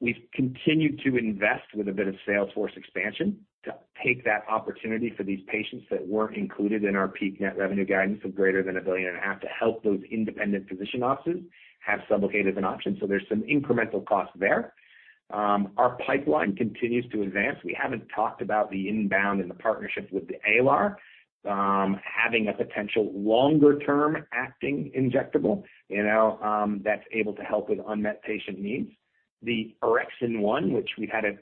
[SPEAKER 2] We've continued to invest with a bit of sales force expansion to take that opportunity for these patients that weren't included in our peak net revenue guidance of greater than $1.5 billion, to help those independent physician offices have SUBLOCADE as an option. So there's some incremental costs there. Our pipeline continues to advance. We haven't talked about the inbound and the partnerships with the ALR, having a potential longer-term acting injectable, you know, that's able to help with unmet patient needs. The Orexin-1, which we had a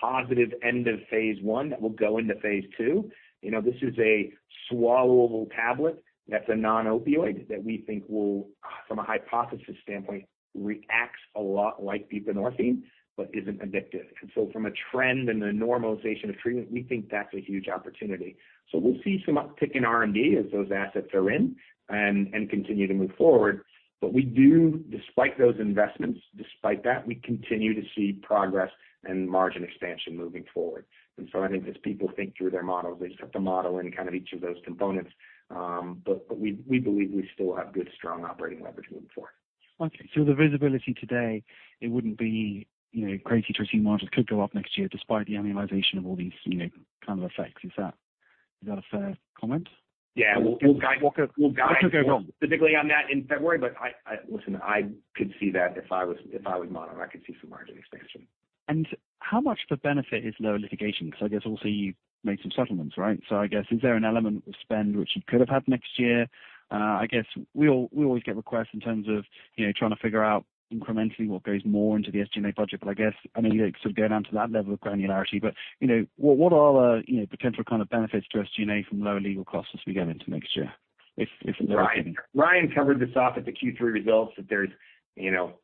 [SPEAKER 2] positive end of phase one, that will go into phase two. You know, this is a swallowable tablet that's a non-opioid, that we think will, from a hypothesis standpoint, reacts a lot like buprenorphine but isn't addictive. And so from a trend and the normalization of treatment, we think that's a huge opportunity. So we'll see some uptick in R&D as those assets are in and continue to move forward. But we do, despite those investments, despite that, we continue to see progress and margin expansion moving forward. And so I think as people think through their models, they just have to model in kind of each of those components, but we believe we still have good, strong operating leverage moving forward.
[SPEAKER 1] Okay. So the visibility today, it wouldn't be, you know, crazy to assume margins could go up next year despite the annualization of all these, you know, kind of effects. Is that, is that a fair comment?
[SPEAKER 2] Yeah, we'll guide-
[SPEAKER 1] What could go wrong?
[SPEAKER 2] Specifically on that in February, but I... Listen, I could see that if I was modeling, I could see some margin expansion.
[SPEAKER 1] How much of the benefit is lower litigation? So I guess also you made some settlements, right? So I guess, is there an element of spend which you could have had next year? I guess we always get requests in terms of, you know, trying to figure out incrementally what goes more into the SG&A budget. But I guess I don't need to sort of go down to that level of granularity, but, you know, what, what are the, you know, potential kind of benefits to SG&A from lower legal costs as we go into next year, if, if-
[SPEAKER 2] Ryan, Ryan covered this off at the Q3 results, that there's, you know,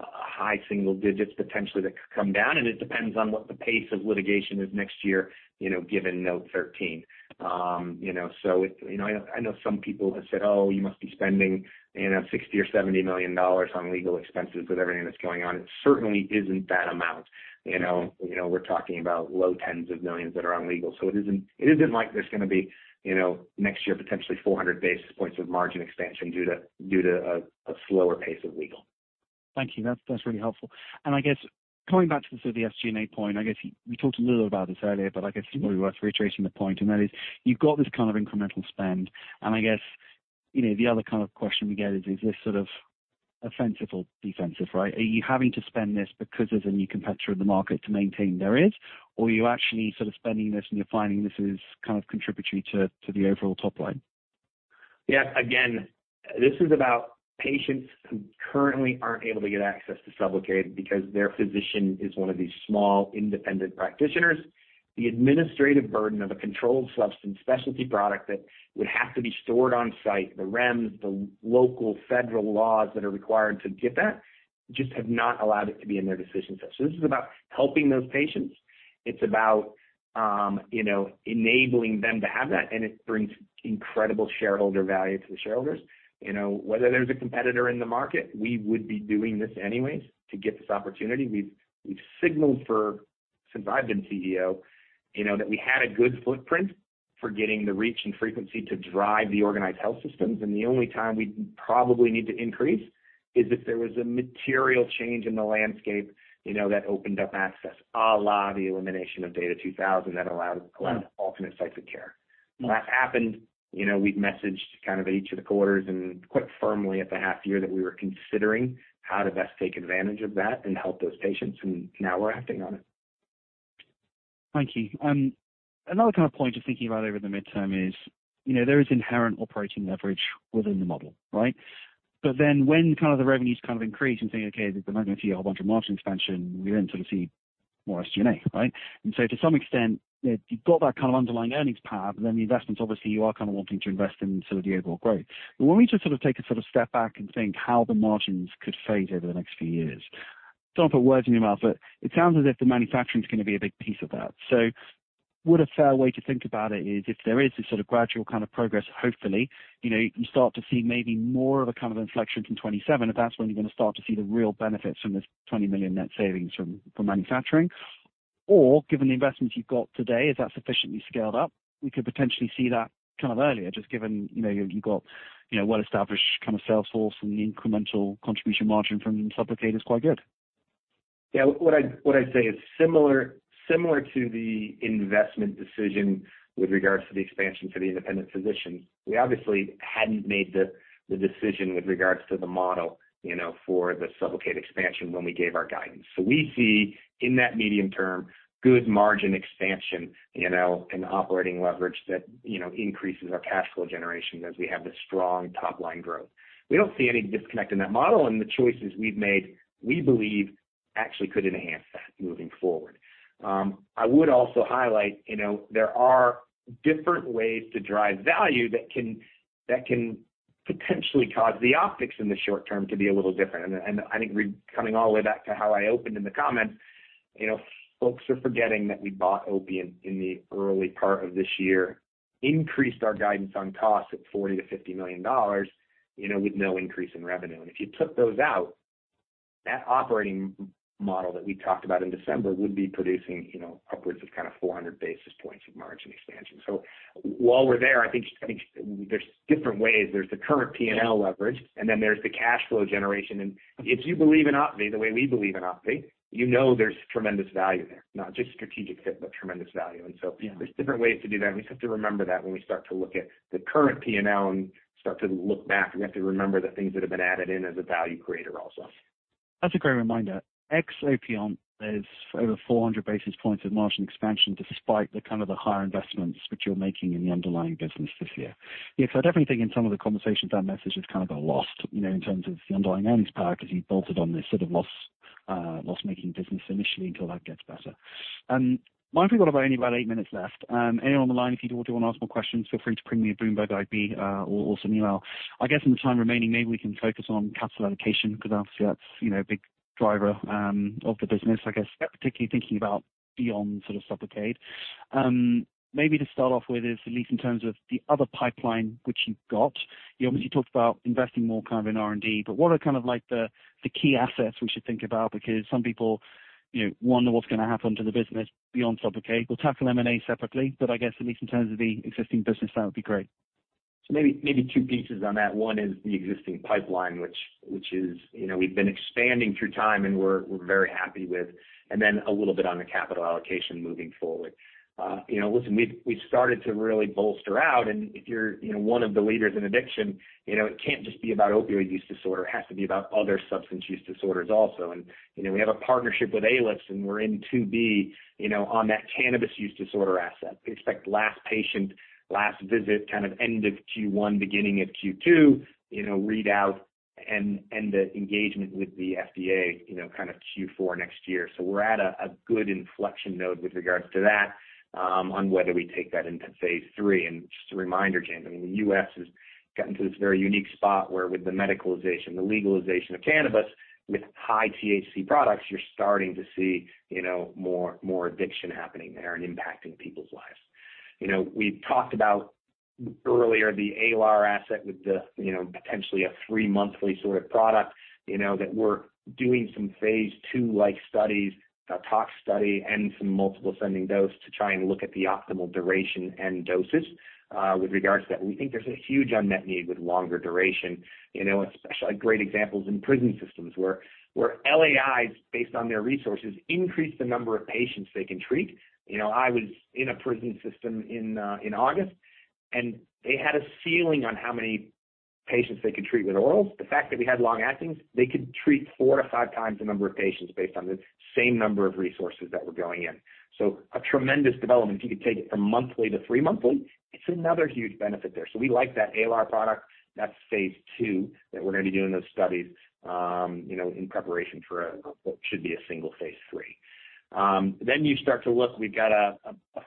[SPEAKER 2] high single digits potentially that could come down, and it depends on what the pace of litigation is next year, you know, given Note 13. You know, so, you know, I know some people have said, "Oh, you must be spending, you know, $60 million or $70 million on legal expenses with everything that's going on." It certainly isn't that amount. You know, you know, we're talking about low tens of millions that are on legal. So it isn't, it isn't like there's gonna be, you know, next year, potentially 400 basis points of margin expansion due to, due to a, a slower pace of legal.
[SPEAKER 1] Thank you. That's, that's really helpful. I guess coming back to the SG&A point, I guess we talked a little about this earlier, but I guess it's probably worth reiterating the point, and that is, you've got this kind of incremental spend. I guess, you know, the other kind of question we get is, is this sort of offensive or defensive, right? Are you having to spend this because there's a new competitor in the market to maintain their share, or are you actually sort of spending this and you're finding this is kind of contributory to, to the overall top line?
[SPEAKER 2] Yeah, again, this is about patients who currently aren't able to get access to SUBLOCADE because their physician is one of these small independent practitioners. The administrative burden of a controlled substance specialty product that would have to be stored on site, the REMS, the local federal laws that are required to get that, just have not allowed it to be in their decision set. So this is about helping those patients. It's about, you know, enabling them to have that, and it brings incredible shareholder value to the shareholders. You know, whether there's a competitor in the market, we would be doing this anyways to get this opportunity. We've signaled for-... Since I've been CEO, you know, that we had a good footprint for getting the reach and frequency to drive the organized health systems, and the only time we'd probably need to increase, is if there was a material change in the landscape, you know, that opened up access, à la the elimination of Data 2000, that allowed alternate sites of care. Well, that happened, you know, we've messaged kind of each of the quarters and quite firmly at the half year that we were considering how to best take advantage of that and help those patients, and now we're acting on it.
[SPEAKER 1] Thank you. Another kind of point just thinking about over the midterm is, you know, there is inherent operating leverage within the model, right? But then when kind of the revenues kind of increase and saying, okay, we're not going to see a whole bunch of margin expansion, we then sort of see more SG&A, right? And so to some extent, if you've got that kind of underlying earnings power, then the investments, obviously, you are kind of wanting to invest in sort of the overall growth. But when we just sort of take a sort of step back and think how the margins could phase over the next few years. Don't put words in your mouth, but it sounds as if the manufacturing is gonna be a big piece of that. So would a fair way to think about it is, if there is this sort of gradual kind of progress, hopefully, you know, you start to see maybe more of a kind of inflection from 27, if that's when you're gonna start to see the real benefits from this $20 million net savings from manufacturing. Or given the investments you've got today, is that sufficiently scaled up? We could potentially see that kind of earlier, just given, you know, you've got, you know, well-established kind of sales force and the incremental contribution margin from the SUBLOCADE is quite good.
[SPEAKER 2] Yeah, what I, what I'd say is similar, similar to the investment decision with regards to the expansion to the independent physicians. We obviously hadn't made the, the decision with regards to the model, you know, for the SUBLOCADE expansion when we gave our guidance. So we see in that medium term, good margin expansion, you know, and operating leverage that, you know, increases our cash flow generation as we have this strong top line growth. We don't see any disconnect in that model, and the choices we've made, we believe, actually could enhance that moving forward. I would also highlight, you know, there are different ways to drive value that can, that can potentially cause the optics in the short term to be a little different. And, and I think we're coming all the way back to how I opened in the comments. You know, folks are forgetting that we bought Opiant in the early part of this year, increased our guidance on costs at $40 million-$50 million, you know, with no increase in revenue. And if you took those out, that operating model that we talked about in December would be producing, you know, upwards of kind of 400 basis points of margin expansion. So while we're there, I think, I think there's different ways. There's the current P&L leverage, and then there's the cash flow generation. And if you believe in OPVEE the way we believe in OPVEE, you know there's tremendous value there, not just strategic fit, but tremendous value. So there's different ways to do that, and we have to remember that when we start to look at the current P&L and start to look back, we have to remember the things that have been added in as a value creator also.
[SPEAKER 1] That's a great reminder. Ex opinion is over 400 basis points of margin expansion, despite the kind of the higher investments which you're making in the underlying business this year. Yeah, because I definitely think in some of the conversations, that message is kind of a lost, you know, in terms of the underlying earnings power, because you bolted on this sort of loss, loss-making business initially until that gets better. Mind if we got only about 8 minutes left. Anyone on the line, if you do want to ask more questions, feel free to ping me a Bloomberg IB, or also an email. I guess in the time remaining, maybe we can focus on capital allocation, because obviously that's, you know, a big driver, of the business, I guess, particularly thinking about beyond sort of SUBLOCADE. Maybe to start off with is, at least in terms of the other pipeline, which you've got, you obviously talked about investing more kind of in R&D, but what are kind of like the key assets we should think about? Because some people, you know, wonder what's gonna happen to the business beyond SUBLOCADE. We'll tackle M&A separately, but I guess at least in terms of the existing business, that would be great.
[SPEAKER 2] So maybe, maybe two pieces on that. One is the existing pipeline, which is, you know, we've been expanding through time and we're very happy with, and then a little bit on the capital allocation moving forward. You know, listen, we've started to really bolster out, and if you're, you know, one of the leaders in addiction, you know, it can't just be about opioid use disorder, it has to be about other substance use disorders also. And, you know, we have a partnership with Aelis, and we're in two B, you know, on that cannabis use disorder asset. Expect last patient, last visit, kind of end of Q1, beginning of Q2, you know, readout and the engagement with the FDA, you know, kind of Q4 next year. So we're at a good inflection node with regards to that, on whether we take that into phase three. And just a reminder, James, I mean, the U.S. has gotten to this very unique spot where with the medicalization, the legalization of cannabis, with high THC products, you're starting to see, you know, more, more addiction happening there and impacting people's lives. You know, we've talked about earlier the ALR asset with the, you know, potentially a three-monthly sort of product, you know, that we're doing some phase two like studies, a tox study, and some multiple ascending dose to try and look at the optimal duration and doses. With regards to that, we think there's a huge unmet need with longer duration, you know, especially great examples in prison systems where LAIs, based on their resources, increase the number of patients they can treat. You know, I was in a prison system in August, and they had a ceiling on how many patients they could treat with orals. The fact that we had long-actings, they could treat 4-5 times the number of patients based on the same number of resources that were going in. So a tremendous development. If you could take it from monthly to three monthly, it's another huge benefit there. So we like that ALR product. That's phase two, that we're gonna be doing those studies, you know, in preparation for what should be a single phase three. Then you start to look, we've got a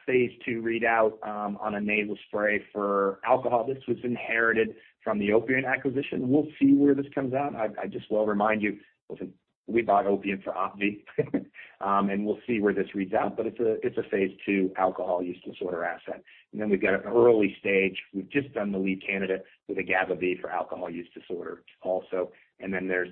[SPEAKER 2] phase two readout on a nasal spray for alcohol. This was inherited from the Opiant acquisition. We'll see where this comes out. I just will remind you, listen, we bought Opiant for OPVEE, and we'll see where this reads out, but it's a phase two alcohol use disorder asset. And then we've got an early stage. We've just done the lead candidate with a GABA B for alcohol use disorder also, and then there's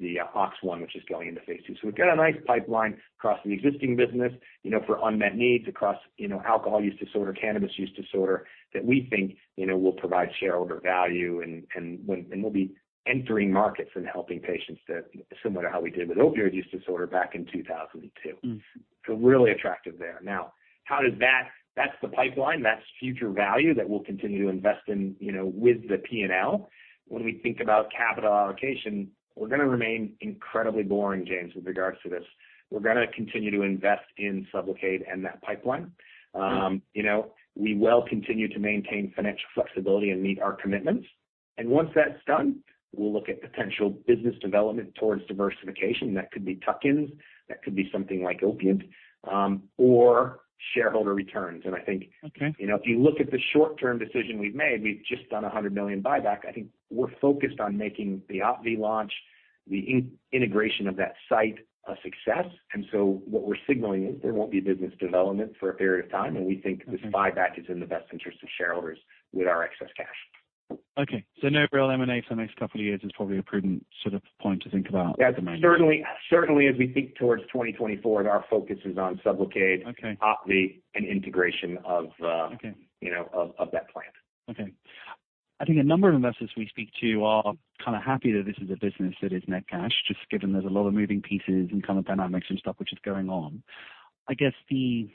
[SPEAKER 2] the OX1, which is going into phase two. So we've got a nice pipeline across the existing business, you know, for unmet needs across, you know, alcohol use disorder, cannabis use disorder, that we think, you know, will provide shareholder value, and we'll be entering markets and helping patients that similar to how we did with opioid use disorder back in 2002.
[SPEAKER 1] Mm.
[SPEAKER 2] So really attractive there. Now, how does that... That's the pipeline, that's future value that we'll continue to invest in, you know, with the P&L. When we think about capital allocation, we're gonna remain incredibly boring, James, with regards to this. We're gonna continue to invest in SUBLOCADE and that pipeline. You know, we will continue to maintain financial flexibility and meet our commitments. And once that's done, we'll look at potential business development towards diversification. That could be tuck-ins, that could be something like Opiant, or shareholder returns. And I think-
[SPEAKER 1] Okay.
[SPEAKER 2] You know, if you look at the short-term decision we've made, we've just done a $100 million buyback. I think we're focused on making the OPVEE launch, the integration of that site, a success. And so what we're signaling is there won't be business development for a period of time, and we think this buyback is in the best interest of shareholders with our excess cash.
[SPEAKER 1] Okay. So no real M&A for the next couple of years is probably a prudent sort of point to think about at the moment.
[SPEAKER 2] Yeah, certainly, certainly as we think towards 2024, and our focus is on SUBLOCADE-
[SPEAKER 1] Okay...
[SPEAKER 2] OPVEE, and integration of
[SPEAKER 1] Okay
[SPEAKER 2] You know, of that plan.
[SPEAKER 1] Okay. I think a number of investors we speak to are kind of happy that this is a business that is net cash, just given there's a lot of moving pieces and kind of dynamics and stuff which is going on. I guess the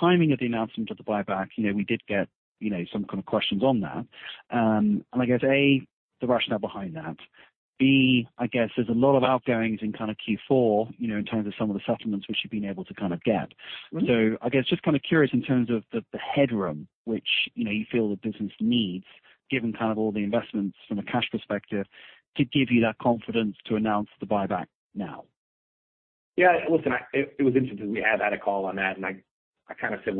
[SPEAKER 1] timing of the announcement of the buyback, you know, we did get, you know, some kind of questions on that. And I guess, A, the rationale behind that. B, I guess there's a lot of outgoings in kind of Q4, you know, in terms of some of the settlements which you've been able to kind of get.
[SPEAKER 2] Mm-hmm.
[SPEAKER 1] I guess just kind of curious in terms of the headroom, which, you know, you feel the business needs, given kind of all the investments from a cash perspective, to give you that confidence to announce the buyback now.
[SPEAKER 2] Yeah, listen. It was interesting, we have had a call on that, and I kind of said: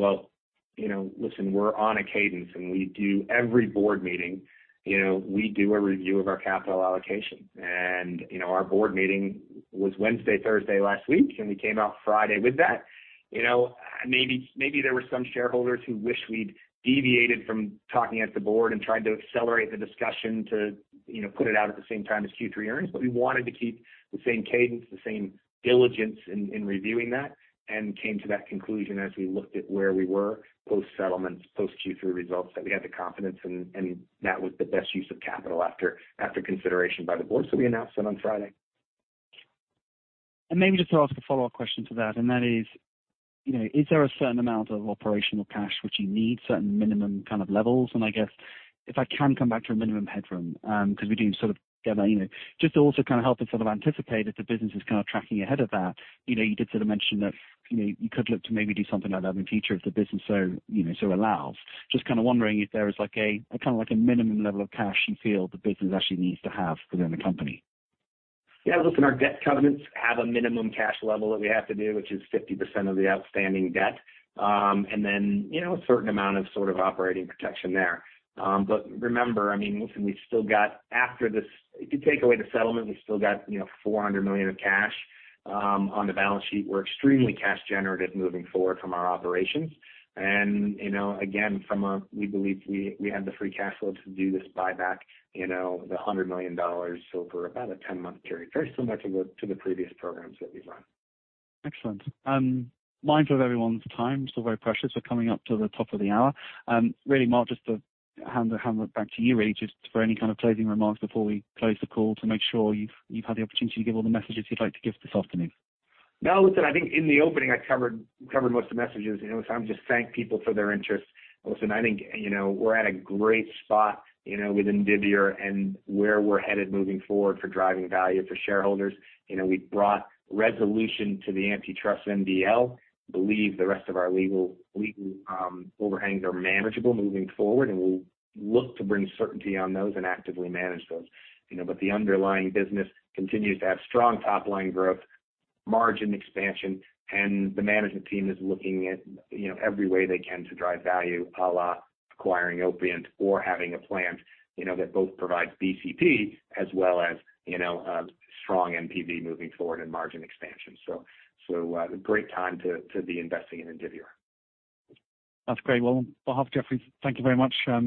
[SPEAKER 2] Well, you know, listen, we're on a cadence, and we do every board meeting, you know, we do a review of our capital allocation. And, you know, our board meeting was Wednesday, Thursday last week, and we came out Friday with that. You know, maybe there were some shareholders who wish we'd deviated from talking at the board and tried to accelerate the discussion to, you know, put it out at the same time as Q3 earnings. But we wanted to keep the same cadence, the same diligence in reviewing that, and came to that conclusion as we looked at where we were, post-settlements, post-Q3 results, that we had the confidence, and that was the best use of capital after consideration by the board. So we announced that on Friday.
[SPEAKER 1] And maybe just to ask a follow-up question to that, and that is, you know, is there a certain amount of operational cash which you need, certain minimum kind of levels? And I guess, if I can come back to a minimum headroom, 'cause we do sort of get, you know... Just to also kind of help us sort of anticipate if the business is kind of tracking ahead of that. You know, you did sort of mention that, you know, you could look to maybe do something like that in the future if the business so, you know, so allows. Just kind of wondering if there is like a, a kind of like a minimum level of cash you feel the business actually needs to have within the company.
[SPEAKER 2] Yeah, listen, our debt covenants have a minimum cash level that we have to do, which is 50% of the outstanding debt. And then, you know, a certain amount of sort of operating protection there. But remember, I mean, listen, we've still got after this... If you take away the settlement, we've still got, you know, $400 million of cash on the balance sheet. We're extremely cash generative moving forward from our operations. And, you know, again, we believe we had the free cash flow to do this buyback, you know, the $100 million over about a 10-month period. Very similar to the previous programs that we've run.
[SPEAKER 1] Excellent. Mindful of everyone's time, still very precious. We're coming up to the top of the hour. Really, Mark, just to hand the helmet back to you, just for any kind of closing remarks before we close the call, to make sure you've had the opportunity to give all the messages you'd like to give this afternoon.
[SPEAKER 2] No, listen, I think in the opening, I covered most of the messages. You know, so I'm just thank people for their interest. Listen, I think, you know, we're at a great spot, you know, with Indivior and where we're headed moving forward for driving value for shareholders. You know, we've brought resolution to the antitrust MDL, believe the rest of our legal overhangs are manageable moving forward, and we'll look to bring certainty on those and actively manage those. You know, but the underlying business continues to have strong top-line growth, margin expansion, and the management team is looking at, you know, every way they can to drive value, à la acquiring Opiant or having a plant, you know, that both provides BCP as well as, you know, strong NPV moving forward and margin expansion. So, a great time to be investing in Indivior.
[SPEAKER 1] That's great. Well, on behalf of Jefferies, thank you very much for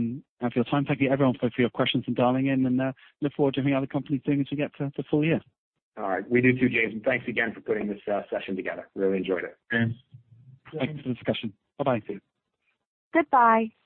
[SPEAKER 1] your time. Thank you, everyone, for your questions and dialing in, and look forward to any other company things we get to the full year.
[SPEAKER 2] All right. We do too, James, and thanks again for putting this session together. Really enjoyed it.
[SPEAKER 1] Thanks. Thanks for the discussion. Bye-bye, see you.